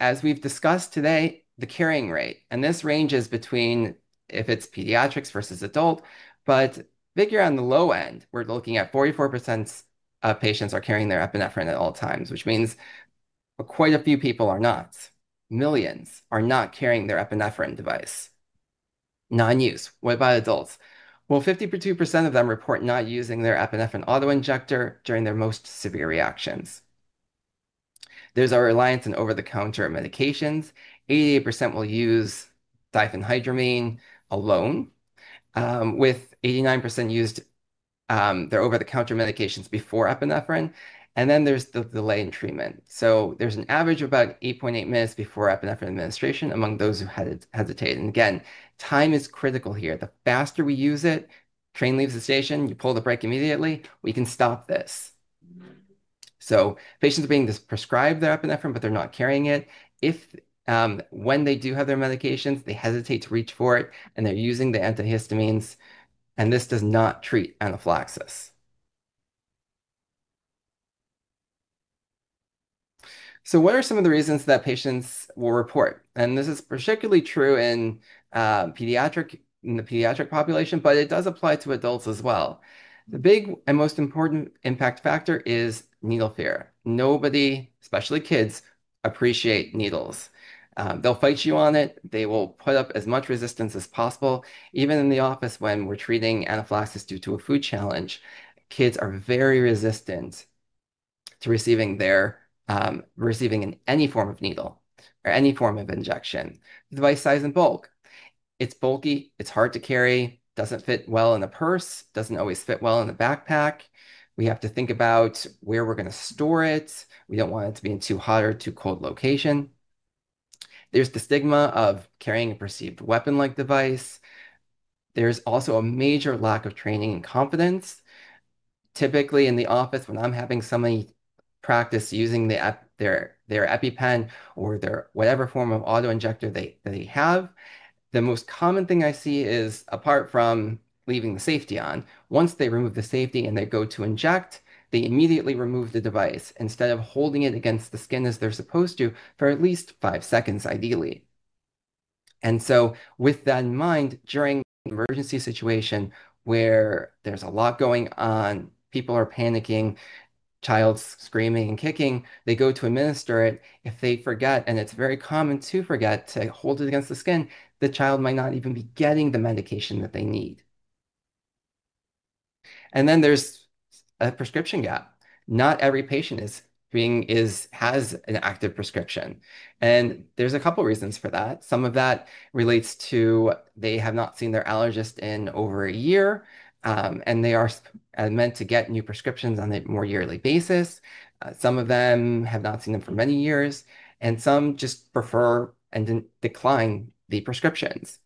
As we've discussed today, the carrying rate, and this ranges between if it's pediatrics versus adult. Figure on the low end, we're looking at 44% of patients are carrying their epinephrine at all times, which means quite a few people are not. Millions are not carrying their epinephrine device. Non-use. Why by adults? Well, 52% of them report not using their epinephrine auto-injector during their most severe reactions. There's our reliance on over-the-counter medications. 88% will use diphenhydramine alone. 89% used their over-the-counter medications before epinephrine, then there's the delay in treatment. There's an average of about 8.8 minutes before epinephrine administration among those who hesitate. Again, time is critical here. The faster we use it, train leaves the station, you pull the brake immediately, we can stop this. Patients are being prescribed their epinephrine, they're not carrying it. If when they do have their medications, they hesitate to reach for it, they're using the antihistamines, this does not treat anaphylaxis. What are some of the reasons that patients will report? This is particularly true in the pediatric population, but it does apply to adults as well. The big and most important impact factor is needle fear. Nobody, especially kids, appreciate needles. They'll fight you on it. They will put up as much resistance as possible. Even in the office when we're treating anaphylaxis due to a food challenge, kids are very resistant to receiving any form of needle or any form of injection. Device size and bulk. It's bulky, it's hard to carry, doesn't fit well in a purse, doesn't always fit well in a backpack. We have to think about where we're going to store it. We don't want it to be in too hot or too cold location. There's the stigma of carrying a perceived weapon-like device. There's also a major lack of training and confidence. Typically, in the office when I am having somebody practice using their EpiPen or their whatever form of auto-injector they have, the most common thing I see is, apart from leaving the safety on, once they remove the safety and they go to inject, they immediately remove the device instead of holding it against the skin as they are supposed to for at least five seconds, ideally. With that in mind, during an emergency situation where there is a lot going on, people are panicking, child's screaming and kicking, they go to administer it. If they forget, and it is very common to forget to hold it against the skin, the child might not even be getting the medication that they need. Then there is a prescription gap. Not every patient has an active prescription, and there is a couple of reasons for that. Some of that relates to they have not seen their allergist in over a year, and they are meant to get new prescriptions on a more yearly basis. Some of them have not seen them for many years, and some just prefer and decline the prescriptions.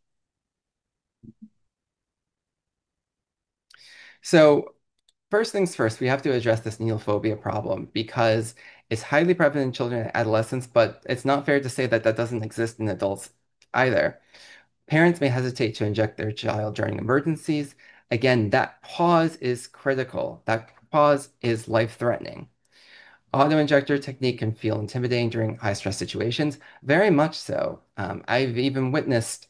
First things first, we have to address this needle phobia problem because it is highly prevalent in children and adolescents, but it is not fair to say that that does not exist in adults either. Parents may hesitate to inject their child during emergencies. Again, that pause is critical. That pause is life-threatening. Auto-injector technique can feel intimidating during high-stress situations, very much so. I have even witnessed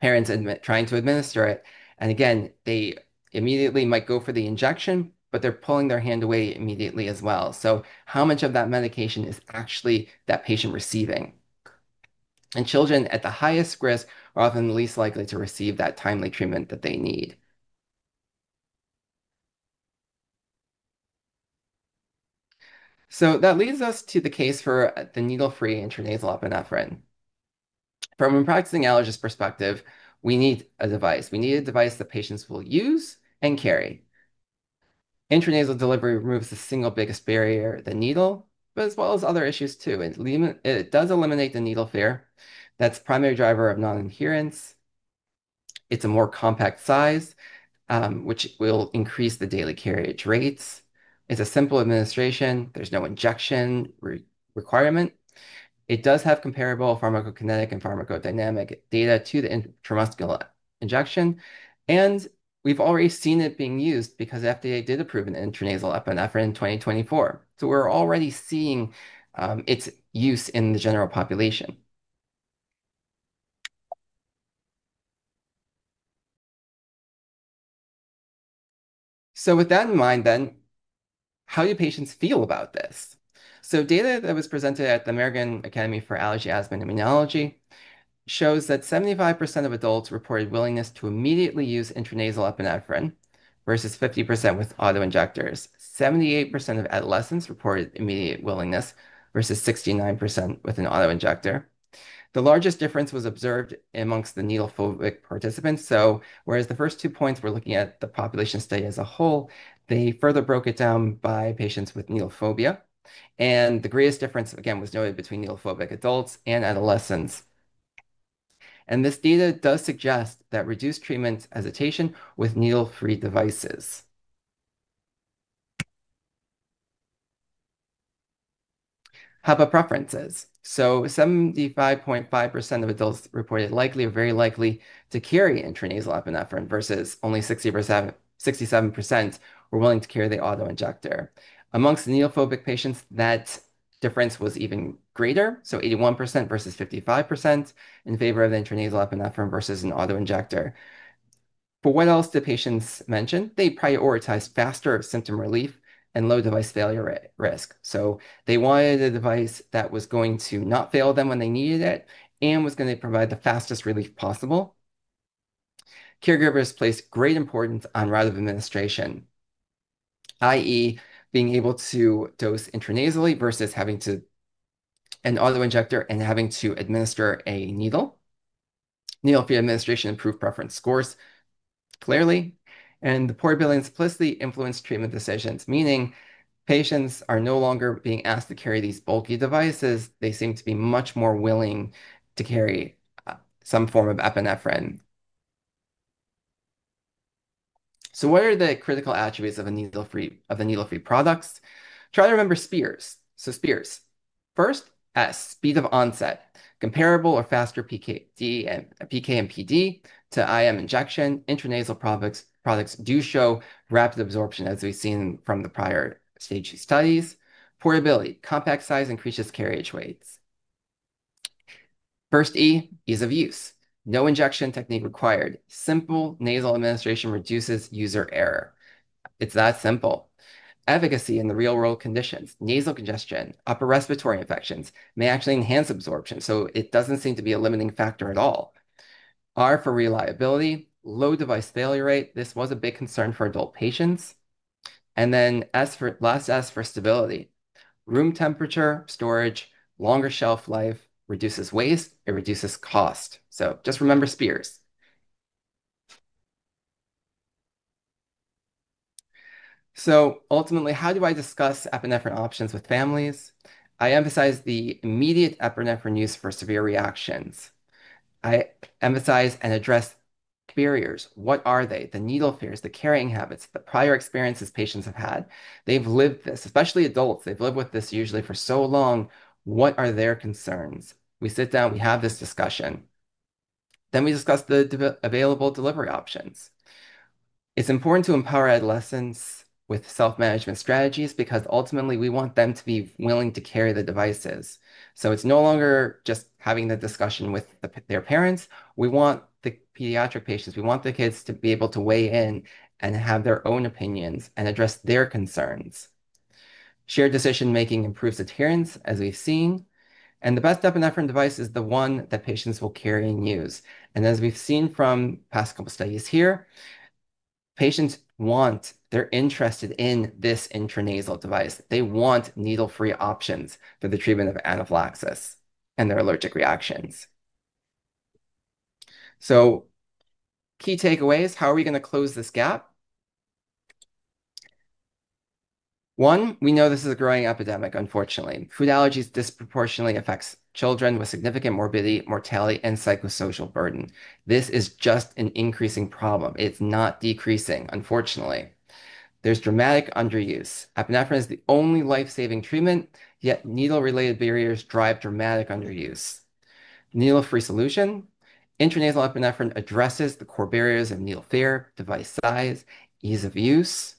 parents trying to administer it, and again, they immediately might go for the injection, but they are pulling their hand away immediately as well. How much of that medication is actually that patient receiving? Children at the highest risk are often the least likely to receive that timely treatment that they need. That leads us to the case for the needle-free intranasal epinephrine. From a practicing allergist perspective, we need a device. We need a device that patients will use and carry. Intranasal delivery removes the single biggest barrier, the needle, as well as other issues, too. It does eliminate the needle fear. That is the primary driver of non-adherence. It is a more compact size, which will increase the daily carriage rates. It is a simple administration. There is no injection requirement. It does have comparable pharmacokinetic and pharmacodynamic data to the intramuscular injection. We have already seen it being used because FDA did approve an intranasal epinephrine in 2024. We are already seeing its use in the general population. With that in mind then, how do patients feel about this? Data that was presented at the American Academy of Allergy, Asthma & Immunology shows that 75% of adults reported willingness to immediately use intranasal epinephrine versus 50% with auto-injectors. 78% of adolescents reported immediate willingness versus 69% with an auto-injector. The largest difference was observed amongst the needle-phobic participants. Whereas the first two points we are looking at the population study as a whole, they further broke it down by patients with needle phobia. The greatest difference, again, was noted between needle-phobic adults and adolescents. This data does suggest that reduced treatment hesitation with needle-free devices. HAPA preferences. 75.5% of adults reported likely or very likely to carry intranasal epinephrine versus only 67% were willing to carry the auto-injector. Amongst needle-phobic patients, that difference was even greater, so 81% versus 55% in favor of intranasal epinephrine versus an auto-injector. What else do patients mention? They prioritize faster symptom relief and low device failure risk. They wanted a device that was going to not fail them when they needed it and was going to provide the fastest relief possible. Caregivers place great importance on route of administration, i.e., being able to dose intranasally versus having an auto-injector and having to administer a needle. Needle-free administration improved preference scores clearly, and the portability and simplicity influenced treatment decisions, meaning patients are no longer being asked to carry these bulky devices. They seem to be much more willing to carry some form of epinephrine. What are the critical attributes of the needle-free products? Try to remember SPEARS. SPEARS. First, S, speed of onset. Comparable or faster PK and PD to IM injection. Intranasal products do show rapid absorption, as we've seen from the prior stage studies. Portability. Compact size increases carriage rates. First E, ease of use. No injection technique required. Simple nasal administration reduces user error. It's that simple. Efficacy in the real-world conditions. Nasal congestion, upper respiratory infections may actually enhance absorption, so it doesn't seem to be a limiting factor at all. R for reliability. Low device failure rate. This was a big concern for adult patients. Last S for stability. Room temperature storage, longer shelf life reduces waste, it reduces cost. Just remember SPEARS. Ultimately, how do I discuss epinephrine options with families? I emphasize the immediate epinephrine use for severe reactions. I emphasize and address barriers. What are they? The needle fears, the carrying habits, the prior experiences patients have had. They've lived this, especially adults, they've lived with this usually for so long. What are their concerns? We sit down, we have this discussion. We discuss the available delivery options. It's important to empower adolescents with self-management strategies because ultimately we want them to be willing to carry the devices. It's no longer just having the discussion with their parents. We want the pediatric patients, we want the kids to be able to weigh in and have their own opinions and address their concerns. Shared decision-making improves adherence, as we've seen. The best epinephrine device is the one that patients will carry and use. As we've seen from past couple studies here, patients want, they're interested in this intranasal device. They want needle-free options for the treatment of anaphylaxis and their allergic reactions. Key takeaways. How are we going to close this gap? One, we know this is a growing epidemic, unfortunately. Food allergies disproportionately affects children with significant morbidity, mortality, and psychosocial burden. This is just an increasing problem. It's not decreasing, unfortunately. There's dramatic underuse. Epinephrine is the only life-saving treatment, yet needle-related barriers drive dramatic underuse. Needle-free solution. Intranasal epinephrine addresses the core barriers of needle fear, device size, ease of use.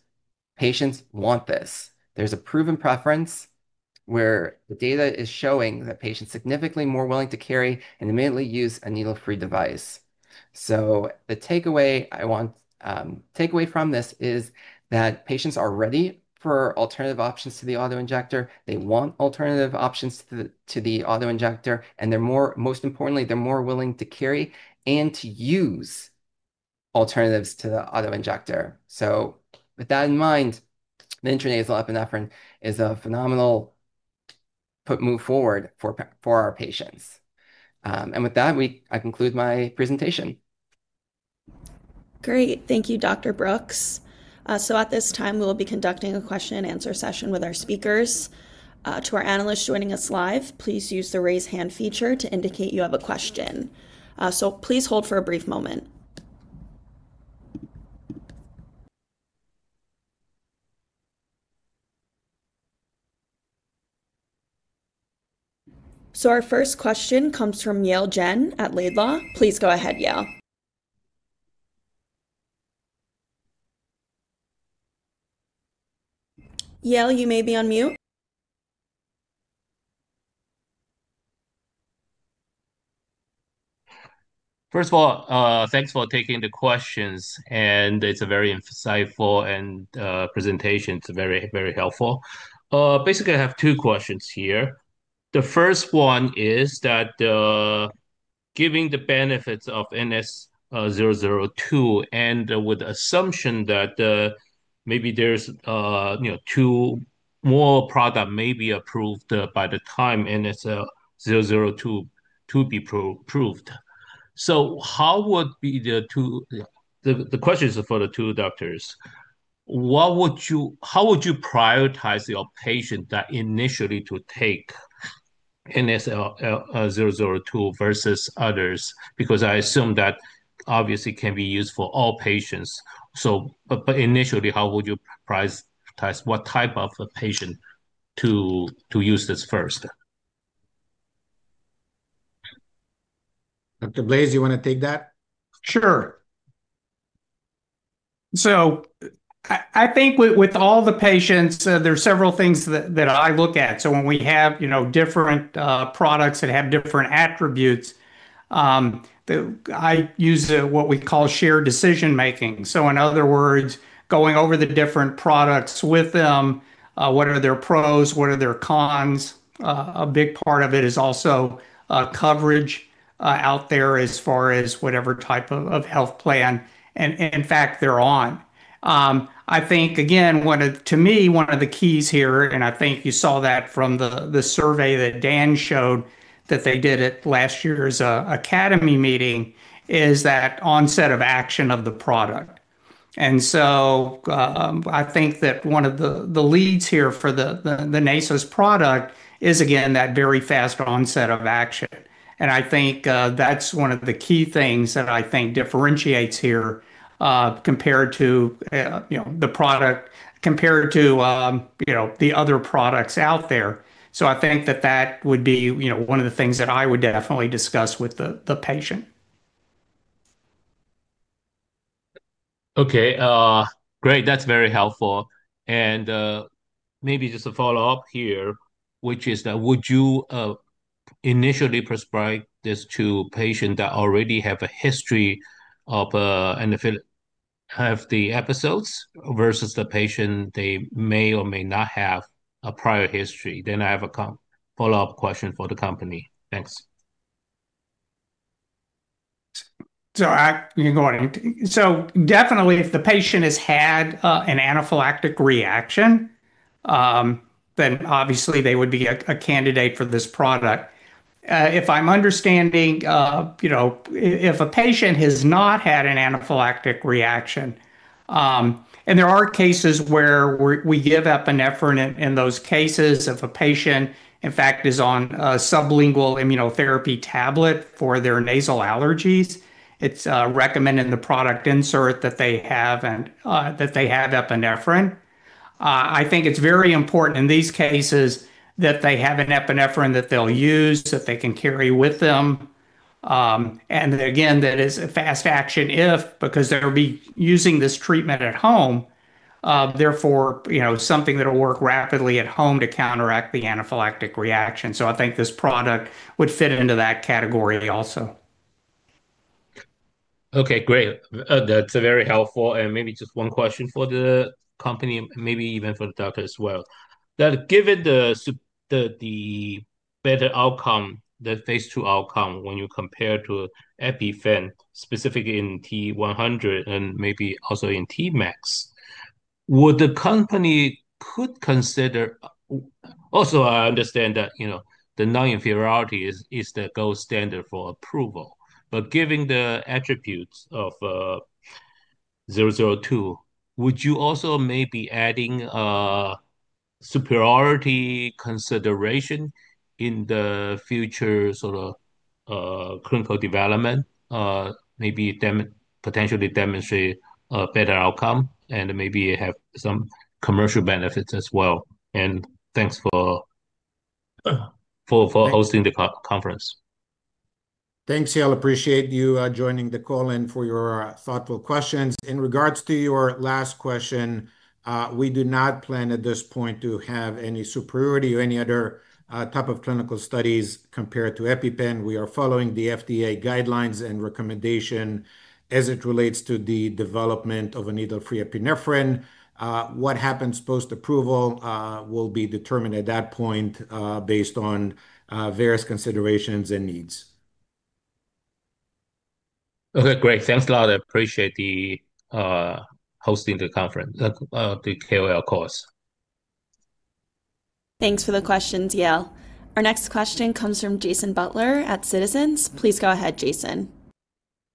Patients want this. There's a proven preference where the data is showing that patients significantly more willing to carry and immediately use a needle-free device. The takeaway from this is that patients are ready for alternative options to the auto-injector. They want alternative options to the auto-injector, most importantly, they're more willing to carry and to use alternatives to the auto-injector. With that in mind, the intranasal epinephrine is a phenomenal move forward for our patients. With that, I conclude my presentation. Great. Thank you, Dr. Brooks. At this time, we'll be conducting a question-and-answer session with our speakers. To our analysts joining us live, please use the raise hand feature to indicate you have a question. Please hold for a brief moment. Our first question comes from Yale Jen at Laidlaw. Please go ahead, Yale. First of all, thanks for taking the questions. It's a very insightful presentation. It's very helpful. Basically, I have two questions here. The first one is that giving the benefits of NS002 and with the assumption that maybe there's two more product may be approved by the time NS002 to be approved. The question is for the two doctors, how would you prioritize your patient that initially to take NS002 versus others? Because I assume that obviously can be used for all patients. Initially, how would you prioritize what type of a patient to use this first? Dr. Blaiss, you wanna take that? Sure. I think with all the patients, there's several things that I look at. When we have different products that have different attributes, I use what we call shared decision-making. In other words, going over the different products with them. What are their pros? What are their cons? A big part of it is also coverage out there as far as whatever type of health plan, and in fact, they're on. I think to me, one of the keys here, and I think you saw that from the survey that Dan showed that they did at last year's academy meeting, is that onset of action of the product. I think that one of the leads here for the Nasus product is, again, that very fast onset of action. I think that's one of the key things that I think differentiates here, compared to the other products out there. I think that would be one of the things that I would definitely discuss with the patient. Okay. Great. That's very helpful. Maybe just a follow-up here, which is that would you initially prescribe this to a patient that already have a history of anaphylactic, have the episodes, versus the patient, they may or may not have a prior history? I have a follow-up question for the company. Thanks. Definitely if the patient has had an anaphylactic reaction, then obviously they would be a candidate for this product. If I'm understanding, if a patient has not had an anaphylactic reaction, and there are cases where we give epinephrine in those cases, if a patient, in fact, is on a sublingual immunotherapy tablet for their nasal allergies, it's recommended in the product insert that they have epinephrine. I think it's very important in these cases that they have an epinephrine that they'll use, that they can carry with them. Again, that is a fast action if, because they'll be using this treatment at home, therefore, something that'll work rapidly at home to counteract the anaphylactic reaction. I think this product would fit into that category also. Okay, great. That's very helpful. Maybe just one question for the company, maybe even for the doctor as well. That given the better outcome, the phase II outcome, when you compare to EpiPen, specifically in T100 and maybe also in Tmax, would the company could consider-- I understand that the non-inferiority is the gold standard for approval. Given the attributes of NS002, would you also may be adding superiority consideration in the future clinical development, maybe potentially demonstrate a better outcome, and maybe have some commercial benefits as well? Thanks for hosting the conference. Thanks, Yale. Appreciate you joining the call and for your thoughtful questions. In regards to your last question, we do not plan at this point to have any superiority or any other type of clinical studies compared to EpiPen. We are following the FDA guidelines and recommendation as it relates to the development of a needle-free epinephrine. What happens post-approval will be determined at that point, based on various considerations and needs. Okay, great. Thanks a lot. I appreciate the hosting the conference, the KOL course. Thanks for the questions, Yale. Our next question comes from Jason Butler at Citizens. Please go ahead, Jason.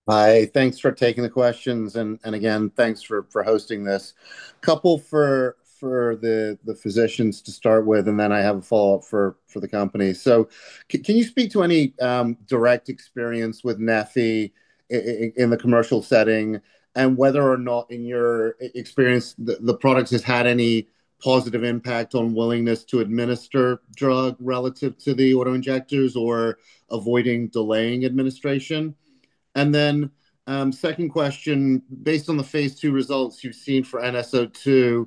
Hi, thanks for taking the questions. Again, thanks for hosting this. Couple for the physicians to start with, and then I have a follow-up for the company. Can you speak to any direct experience with neffy in the commercial setting? Whether or not in your experience the product has had any positive impact on willingness to administer drug relative to the auto-injectors or avoiding delaying administration? Second question, based on the phase II results you've seen for NS002,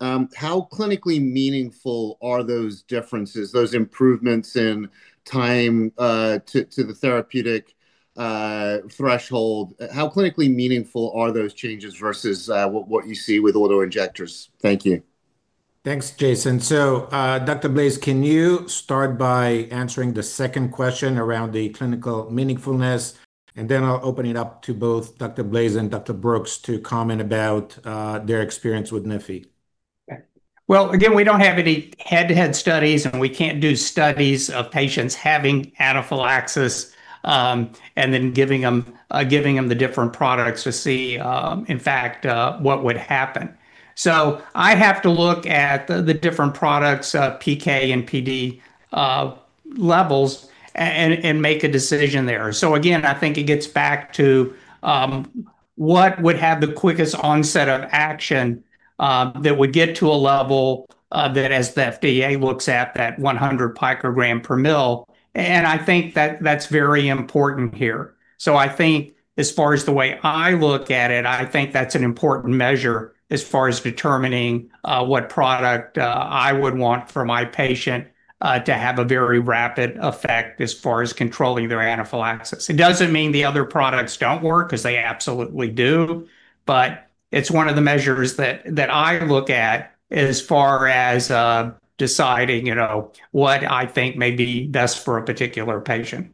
how clinically meaningful are those differences, those improvements in time to the therapeutic threshold? How clinically meaningful are those changes versus what you see with auto-injectors? Thank you. Thanks, Jason. Dr. Blaiss, can you start by answering the second question around the clinical meaningfulness? I'll open it up to both Dr. Blaiss and Dr. Brooks to comment about their experience with neffy. Well, again, we don't have any head-to-head studies. We can't do studies of patients having anaphylaxis, giving them the different products to see, in fact, what would happen. I have to look at the different products, PK and PD levels and make a decision there. Again, I think it gets back to what would have the quickest onset of action, that would get to a level that as the FDA looks at that 100 pg/ml, I think that's very important here. I think as far as the way I look at it, I think that's an important measure as far as determining what product I would want for my patient, to have a very rapid effect as far as controlling their anaphylaxis. It doesn't mean the other products don't work, because they absolutely do. It's one of the measures that I look at as far as deciding what I think may be best for a particular patient.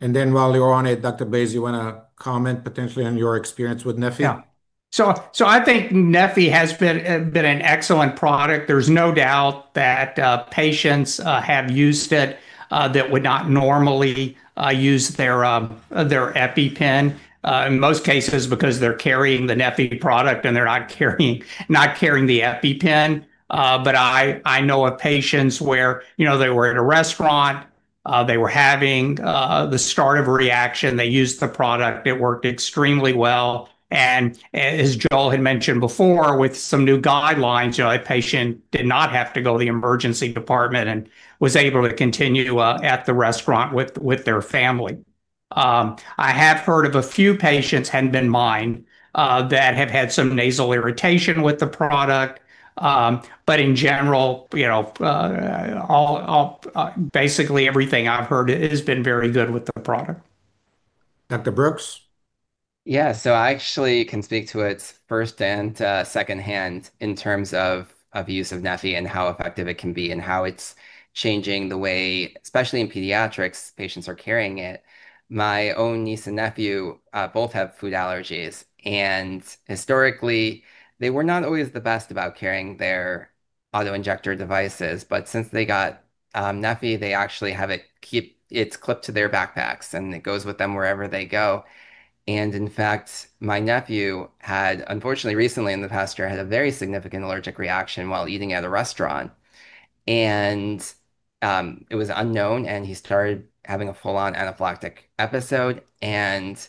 While you're on it, Dr. Blaiss, you want to comment potentially on your experience with neffy? Yeah. I think neffy has been an excellent product. There's no doubt that patients have used it that would not normally use their EpiPen. In most cases because they're carrying the neffy product and they're not carrying the EpiPen. I know of patients where they were at a restaurant, they were having the start of a reaction. They used the product, it worked extremely well. As Joel had mentioned before, with some new guidelines, a patient did not have to go to the emergency department and was able to continue at the restaurant with their family. I have heard of a few patients, hadn't been mine, that have had some nasal irritation with the product. In general, basically everything I've heard it has been very good with the product. Dr. Brooks? Yeah. I actually can speak to it firsthand, secondhand in terms of use of neffy and how effective it can be and how it's changing the way, especially in pediatrics, patients are carrying it. My own niece and nephew, both have food allergies, and historically, they were not always the best about carrying their auto-injector devices. Since they got neffy they actually have it clipped to their backpacks, and it goes with them wherever they go. In fact, my nephew had, unfortunately, recently in the past year, had a very significant allergic reaction while eating at a restaurant. It was unknown, and he started having a full-on anaphylactic episode, and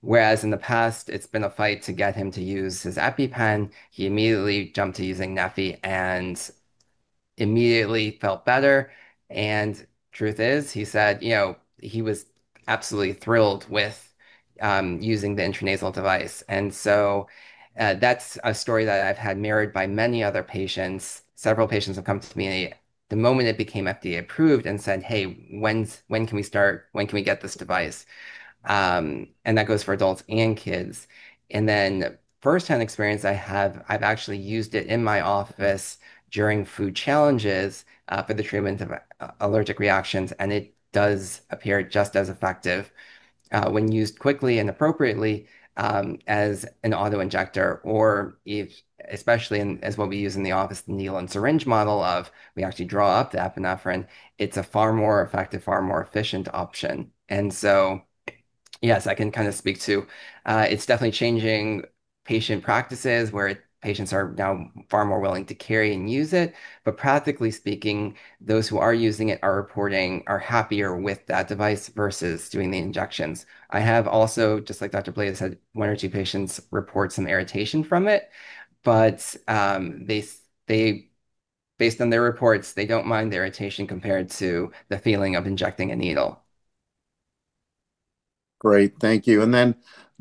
whereas in the past, it's been a fight to get him to use his EpiPen he immediately jumped to using neffy and immediately felt better. Truth is, he said he was absolutely thrilled with using the intranasal device. That's a story that I've had mirrored by many other patients. Several patients have come to me the moment it became `FDA approved and said, "Hey, when can we start? When can we get this device?" That goes for adults and kids. Firsthand experience I have, I've actually used it in my office during food challenges, for the treatment of allergic reactions, and it does appear just as effective, when used quickly and appropriately, as an auto-injector or if, especially as what we use in the office, the needle and syringe model of we actually draw up the epinephrine. It's a far more effective, far more efficient option. Yes, I can speak to it's definitely changing patient practices where patients are now far more willing to carry and use it. Practically speaking, those who are using it are happier with that device versus doing the injections. I have also, just like Dr. Blaiss said, one or two patients report some irritation from it. Based on their reports, they don't mind the irritation compared to the feeling of injecting a needle. Great. Thank you.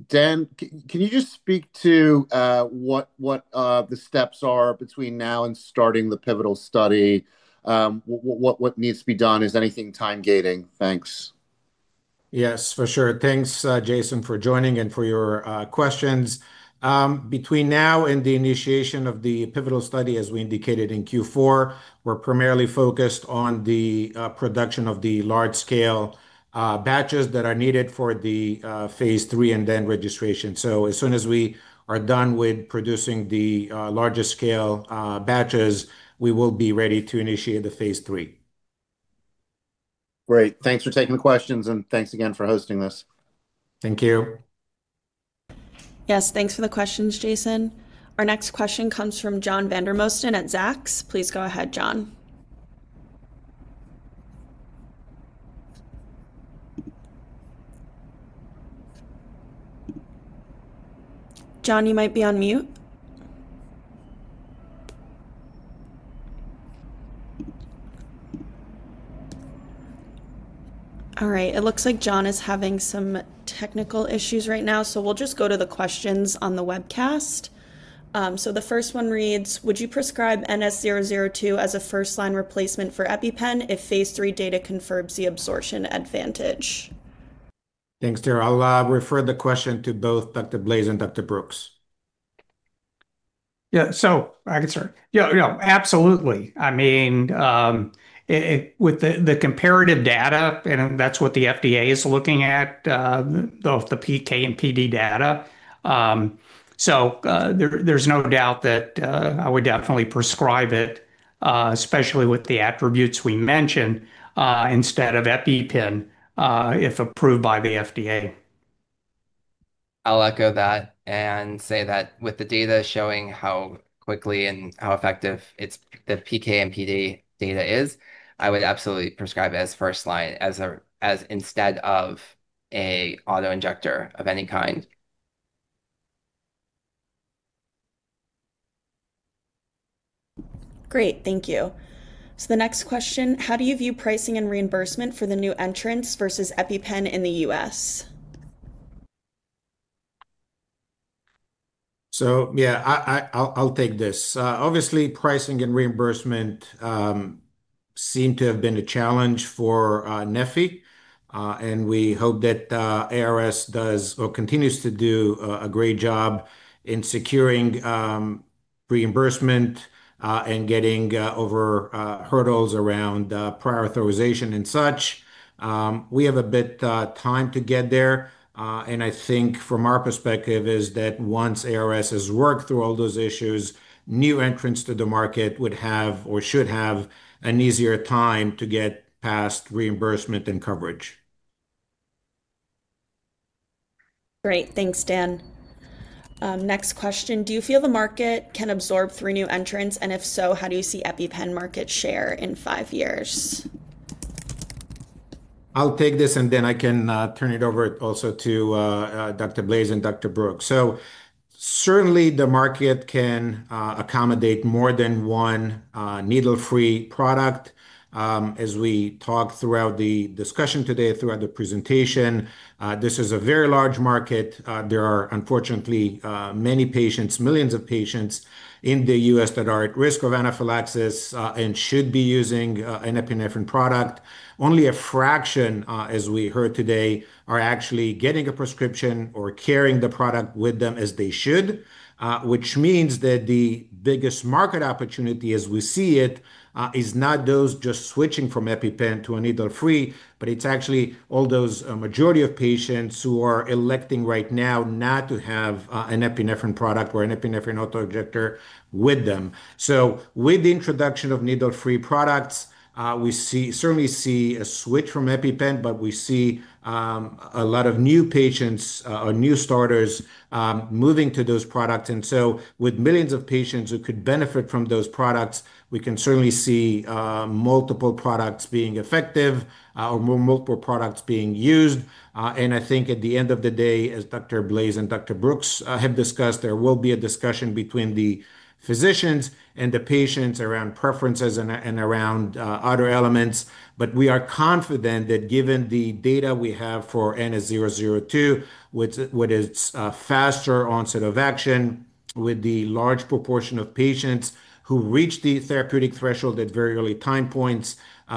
Dan, can you just speak to what the steps are between now and starting the pivotal study? What needs to be done? Is anything time gating? Thanks. Yes, for sure. Thanks, Jason, for joining and for your questions. Between now and the initiation of the pivotal study, as we indicated in Q4, we're primarily focused on the production of the large-scale batches that are needed for the phase III and then registration. As soon as we are done with producing the larger scale batches, we will be ready to initiate the phase III. Great. Thanks for taking the questions, and thanks again for hosting this. Thank you. Thanks for the questions, Jason. Our next question comes from John Vandermosten at Zacks. Please go ahead, John. John, you might be on mute. All right. It looks like John is having some technical issues right now, so we'll just go to the questions on the webcast. The first one reads, "Would you prescribe NS002 as a first-line replacement for EpiPen if phase III data confirms the absorption advantage?" Thanks, Tara. I'll refer the question to both Dr. Blaiss and Dr. Brooks. I can start. Absolutely. With the comparative data, that's what the FDA is looking at, both the PK and PD data. There's no doubt that I would definitely prescribe it, especially with the attributes we mentioned, instead of EpiPen, if approved by the FDA. I'll echo that and say that with the data showing how quickly and how effective the PK and PD data is, I would absolutely prescribe it as first line, instead of a auto-injector of any kind. Great. Thank you. The next question, "How do you view pricing and reimbursement for the new entrants versus EpiPen in the U.S.?" Yeah, I'll take this. Obviously, pricing and reimbursement seem to have been a challenge for neffy. We hope that ARS does or continues to do a great job in securing reimbursement, and getting over hurdles around prior authorization and such. We have a bit of time to get there. I think from our perspective is that once ARS has worked through all those issues, new entrants to the market would have or should have an easier time to get past reimbursement and coverage. Great. Thanks, Dan. Next question. Do you feel the market can absorb three new entrants? If so, how do you see EpiPen market share in five years? I'll take this, then I can turn it over also to Dr. Michael Blaiss and Dr. Joel Brooks. Certainly, the market can accommodate more than one needle-free product. As we talked throughout the discussion today, throughout the presentation, this is a very large market. There are, unfortunately, many patients, millions of patients in the U.S. that are at risk of anaphylaxis and should be using an epinephrine product. Only a fraction, as we heard today, are actually getting a prescription or carrying the product with them as they should. Which means that the biggest market opportunity as we see it is not those just switching from EpiPen to a needle-free, but it's actually all those majority of patients who are electing right now not to have an epinephrine product or an epinephrine auto-injector with them. With the introduction of needle-free products, we certainly see a switch from EpiPen, but we see a lot of new patients or new starters moving to those products. With millions of patients who could benefit from those products, we can certainly see multiple products being effective or multiple products being used. I think at the end of the day, as Dr. Michael Blaiss and Dr. Joel Brooks have discussed, there will be a discussion between the physicians and the patients around preferences and around other elements. We are confident that given the data we have for NS002, with its faster onset of action, with the large proportion of patients who reach the therapeutic threshold at very early time points,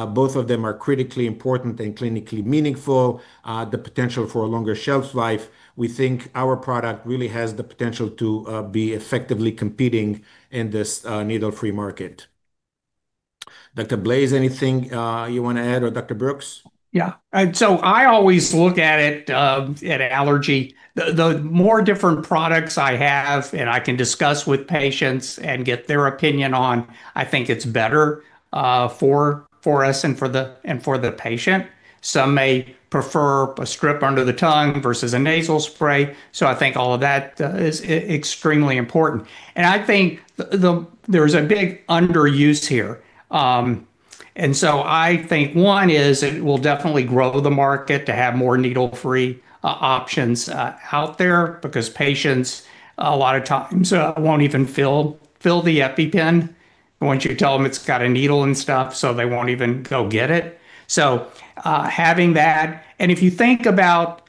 both of them are critically important and clinically meaningful. The potential for a longer shelf life, we think our product really has the potential to be effectively competing in this needle-free market. Dr. Blaiss, anything you want to add, or Dr. Brooks? Yeah. I always look at it, at allergy, the more different products I have and I can discuss with patients and get their opinion on, I think it's better for us and for the patient. Some may prefer a strip under the tongue versus a nasal spray. I think all of that is extremely important. I think there's a big underuse here. I think one is it will definitely grow the market to have more needle-free options out there because patients a lot of times won't even fill the EpiPen once you tell them it's got a needle and stuff. They won't even go get it. Having that. If you think about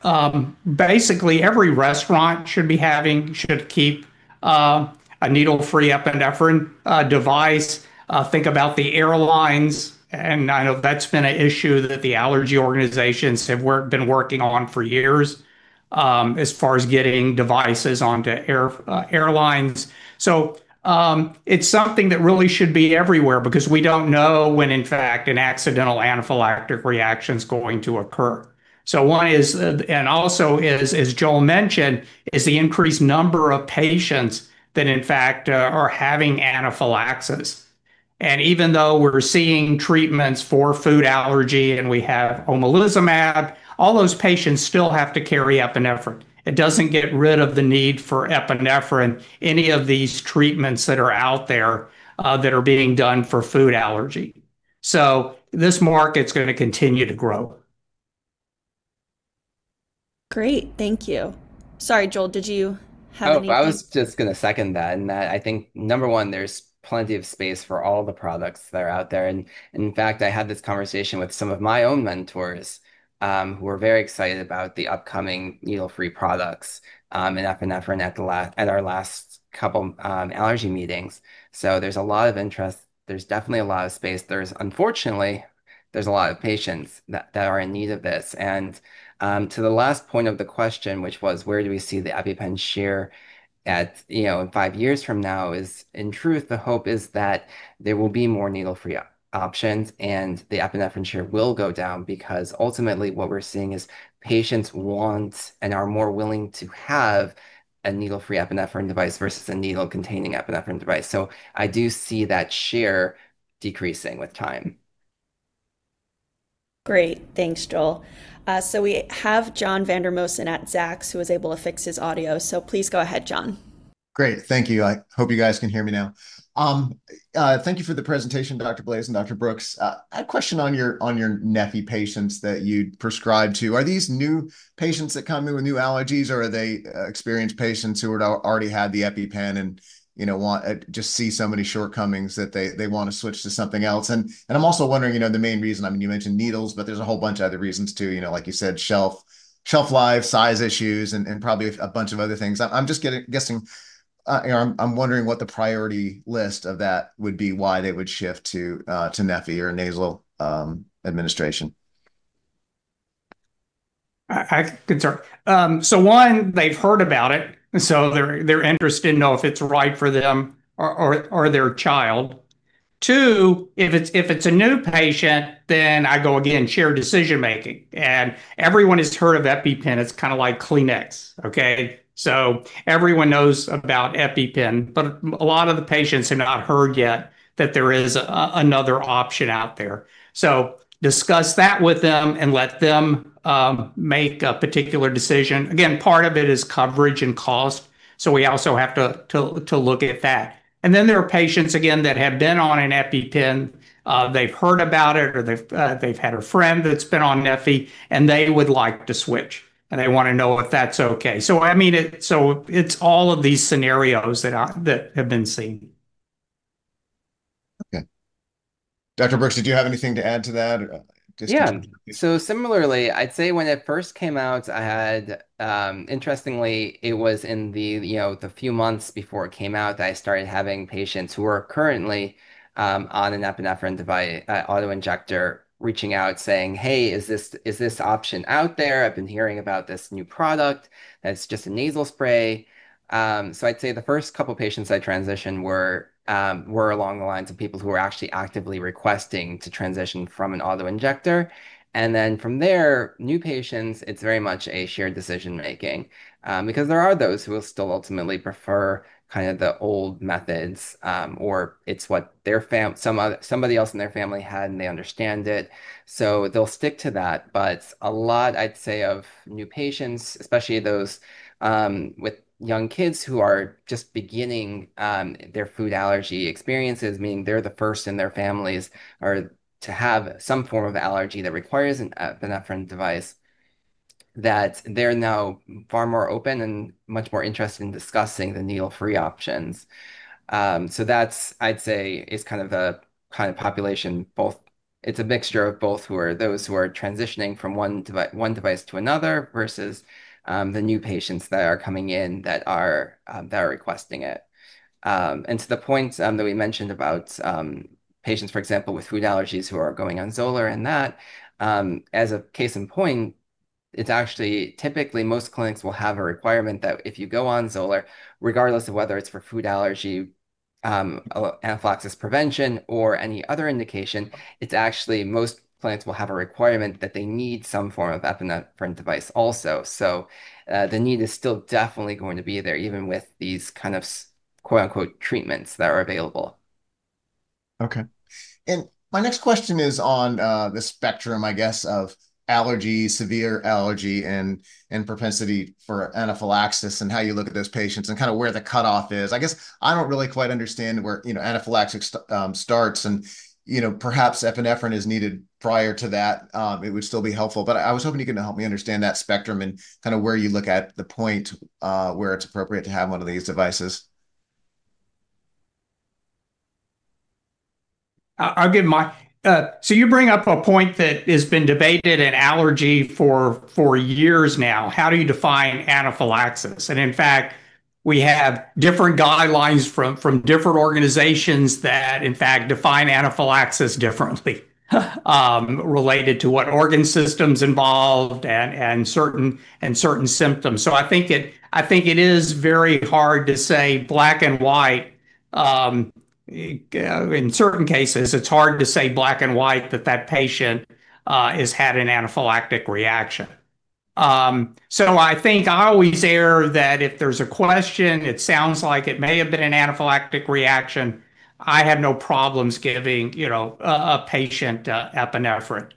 basically every restaurant should keep a needle-free epinephrine device. Think about the airlines. I know that's been an issue that the allergy organizations have been working on for years, as far as getting devices onto airlines. It's something that really should be everywhere because we don't know when in fact an accidental anaphylactic reaction's going to occur. One is, as Joel mentioned, the increased number of patients that in fact are having anaphylaxis. Even though we're seeing treatments for food allergy, and we have omalizumab, all those patients still have to carry epinephrine. It doesn't get rid of the need for epinephrine, any of these treatments that are out there that are being done for food allergy. This market's going to continue to grow. Great. Thank you. Sorry, Joel, did you have anything? I was just going to second that, in that I think number one, there's plenty of space for all the products that are out there. In fact, I had this conversation with some of my own mentors who are very excited about the upcoming needle-free products in epinephrine at our last couple allergy meetings. There's a lot of interest. There's definitely a lot of space. Unfortunately, there's a lot of patients that are in need of this. To the last point of the question, which was where do we see the EpiPen share in five years from now is, in truth, the hope is that there will be more needle-free options, and the epinephrine share will go down because ultimately what we're seeing is patients want and are more willing to have a needle-free epinephrine device versus a needle-containing epinephrine device. I do see that share decreasing with time. Great. Thanks, Joel. We have John Vandermosten at Zacks who was able to fix his audio. Please go ahead, John. Great. Thank you. I hope you guys can hear me now. Thank you for the presentation, Dr. Blaiss and Dr. Brooks. A question on your neffy patients that you prescribe to. Are these new patients that come in with new allergies, or are they experienced patients who had already had the EpiPen and just see so many shortcomings that they want to switch to something else? I'm also wondering the main reason, you mentioned needles, but there's a whole bunch of other reasons, too. Like you said, shelf life, size issues, and probably a bunch of other things. I'm wondering what the priority list of that would be why they would shift to neffy or nasal administration. I concur. One, they've heard about it, they're interested to know if it's right for them or their child. Two, if it's a new patient, I go, again, shared decision-making. Everyone has heard of EpiPen. It's like Kleenex. Okay? Everyone knows about EpiPen, but a lot of the patients have not heard yet that there is another option out there. Discuss that with them and let them make a particular decision. Again, part of it is coverage and cost. We also have to look at that. Then there are patients, again, that have been on an EpiPen, they've heard about it or they've had a friend that's been on neffy and they would like to switch, and they want to know if that's okay. I mean, it's all of these scenarios that have been seen. Okay. Dr. Brooks, did you have anything to add to that discussion? Similarly, I'd say when it first came out, I had, interestingly, it was in the few months before it came out that I started having patients who were currently on an epinephrine auto-injector reaching out saying, "Hey, is this option out there? I've been hearing about this new product that's just a nasal spray." I'd say the first couple patients I transitioned were along the lines of people who were actually actively requesting to transition from an auto-injector. From there, new patients, it's very much a shared decision-making. There are those who will still ultimately prefer the old methods, or it's what somebody else in their family had, and they understand it, so they'll stick to that. A lot, I'd say, of new patients, especially those with young kids who are just beginning their food allergy experiences, meaning they're the first in their families to have some form of allergy that requires an epinephrine device, that they're now far more open and much more interested in discussing the needle-free options. That's, I'd say, is the kind of population both. It's a mixture of both those who are transitioning from one device to another versus the new patients that are coming in that are requesting it. To the point that we mentioned about patients, for example, with food allergies who are going on XOLAIR and that, as a case in point, it's actually typically most clinics will have a requirement that if you go on XOLAIR, regardless of whether it's for food allergy, anaphylaxis prevention, or any other indication, it's actually most clinics will have a requirement that they need some form of epinephrine device also. The need is still definitely going to be there, even with these kind of "treatments" that are available. Okay. My next question is on the spectrum, I guess, of allergy, severe allergy, and propensity for anaphylaxis and how you look at those patients and where the cutoff is. I guess I don't really quite understand where anaphylaxis starts and perhaps epinephrine is needed prior to that. It would still be helpful, but I was hoping you could help me understand that spectrum and where you look at the point where it's appropriate to have one of these devices? You bring up a point that has been debated in allergy for years now. How do you define anaphylaxis? In fact, we have different guidelines from different organizations that, in fact, define anaphylaxis differently related to what organ system's involved and certain symptoms. I think it is very hard to say black and white. In certain cases, it's hard to say black and white that that patient has had an anaphylactic reaction. I think I always err that if there's a question, it sounds like it may have been an anaphylactic reaction, I have no problems giving a patient epinephrine.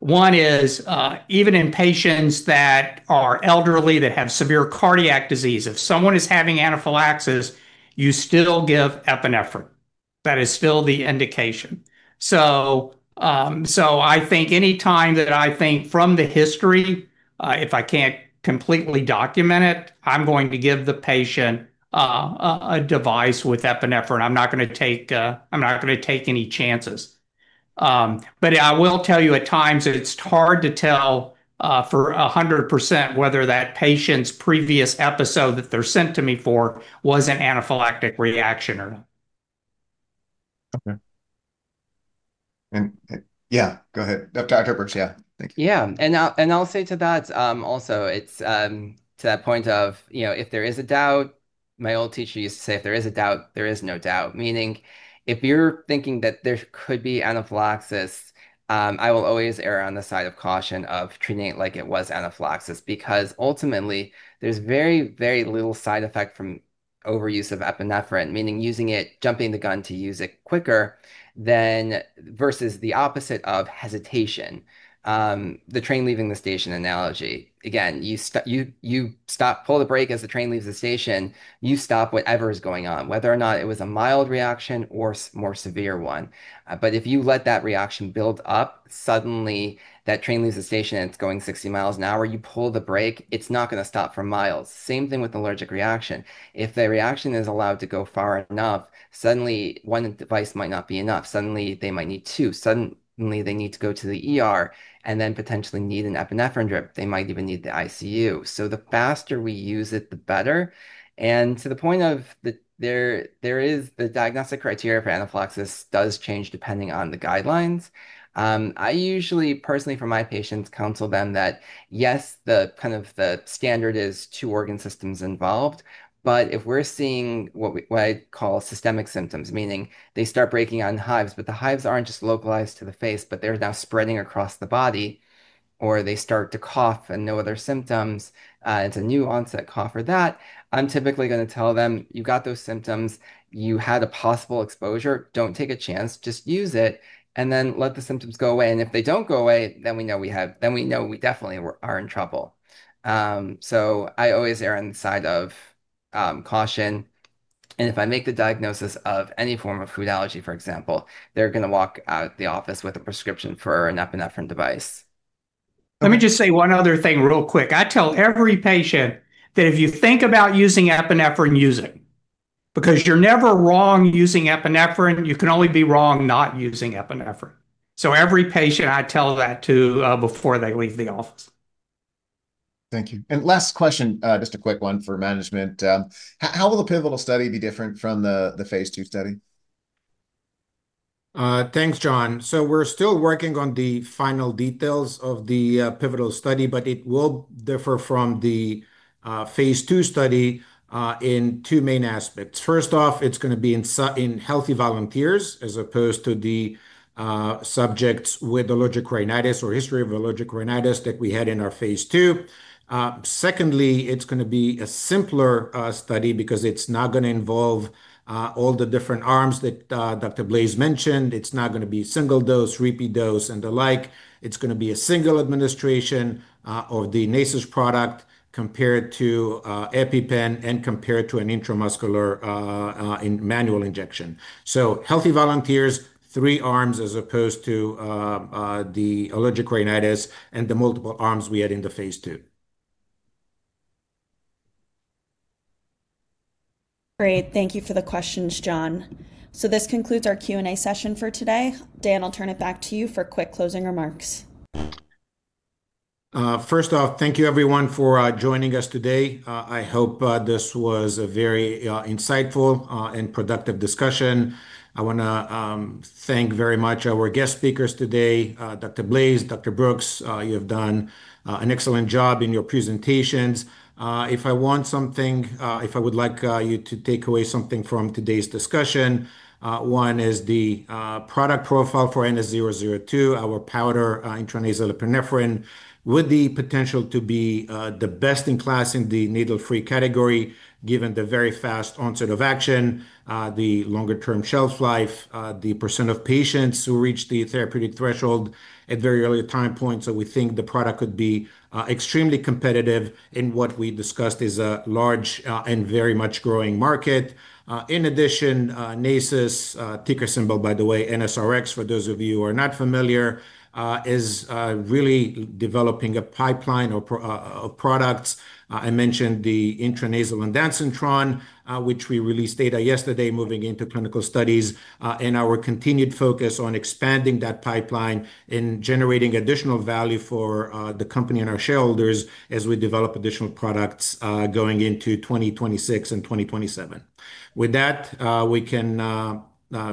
One is, even in patients that are elderly that have severe cardiac disease, if someone is having anaphylaxis, you still give epinephrine. That is still the indication. I think any time that I think from the history, if I can't completely document it, I'm going to give the patient a device with epinephrine. I'm not gonna take any chances. I will tell you at times that it's hard to tell for 100% whether that patient's previous episode that they're sent to me for was an anaphylactic reaction or not. Okay. Yeah, go ahead, Dr. Brooks. Yeah. I'll say to that also, to that point of if there is a doubt, my old teacher used to say, "If there is a doubt, there is no doubt." Meaning if you're thinking that there could be anaphylaxis, I will always err on the side of caution of treating it like it was anaphylaxis because ultimately there's very, very little side effect from overuse of epinephrine, meaning using it, jumping the gun to use it quicker than versus the opposite of hesitation. The train leaving the station analogy. Again, you stop, pull the brake as the train leaves the station. You stop whatever is going on, whether or not it was a mild reaction or more severe one. If you let that reaction build up, suddenly that train leaves the station and it's going 60 mi/h. You pull the brake, it's not gonna stop for miles. Same thing with allergic reaction. If the reaction is allowed to go far enough, suddenly one device might not be enough. Suddenly they might need two. Suddenly they need to go to the ER and then potentially need an epinephrine drip. They might even need the ICU. The faster we use it, the better. To the point of there is the diagnostic criteria for anaphylaxis does change depending on the guidelines. I usually personally for my patients counsel them that, yes, the standard is two organ systems involved. If we're seeing what I call systemic symptoms, meaning they start breaking out in hives, but the hives aren't just localized to the face, but they're now spreading across the body, or they start to cough and no other symptoms, it's a new onset cough or that, I'm typically going to tell them, "You got those symptoms. You had a possible exposure. Don't take a chance. Just use it and then let the symptoms go away." If they don't go away, then we know we definitely are in trouble. I always err on the side of caution. If I make the diagnosis of any form of food allergy, for example, they're going to walk out the office with a prescription for an epinephrine device. Let me just say one other thing real quick. I tell every patient that if you think about using epinephrine, use it, because you're never wrong using epinephrine. You can only be wrong not using epinephrine. Every patient I tell that to before they leave the office. Thank you. Last question, just a quick one for management. How will the pivotal study be different from the phase II study? Thanks, John. We're still working on the final details of the pivotal study, but it will differ from the phase II study in two main aspects. First off, it's going to be in healthy volunteers as opposed to the subjects with allergic rhinitis or history of allergic rhinitis that we had in our phase II. Secondly, it's going to be a simpler study because it's not going to involve all the different arms that Dr. Blaiss mentioned. It's not going to be single dose, repeat dose, and the like. It's going to be a single administration of the Nasus product compared to EpiPen and compared to an intramuscular manual injection. Healthy volunteers, three arms, as opposed to the allergic rhinitis and the multiple arms we had in the phase II. Great. Thank you for the questions, John. This concludes our Q&A session for today. Dan, I'll turn it back to you for quick closing remarks. First off, thank you everyone for joining us today. I hope this was a very insightful and productive discussion. I want to thank very much our guest speakers today, Dr. Blaiss, Dr. Brooks. You have done an excellent job in your presentations. If I would like you to take away something from today's discussion, one is the product profile for NS002, our powder intranasal epinephrine, with the potential to be the best in class in the needle-free category, given the very fast onset of action, the longer-term shelf life, the percentage of patients who reach the therapeutic threshold at very early time points. We think the product could be extremely competitive in what we discussed is a large and very much growing market. In addition, Nasus, ticker symbol by the way, NSRX, for those of you who are not familiar, is really developing a pipeline of products. I mentioned the intranasal ondansetron, which we released data yesterday moving into clinical studies, our continued focus on expanding that pipeline and generating additional value for the company and our shareholders as we develop additional products going into 2026 and 2027. With that, we can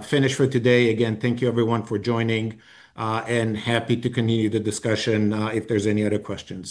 finish for today. Again, thank you everyone for joining, happy to continue the discussion if there's any other questions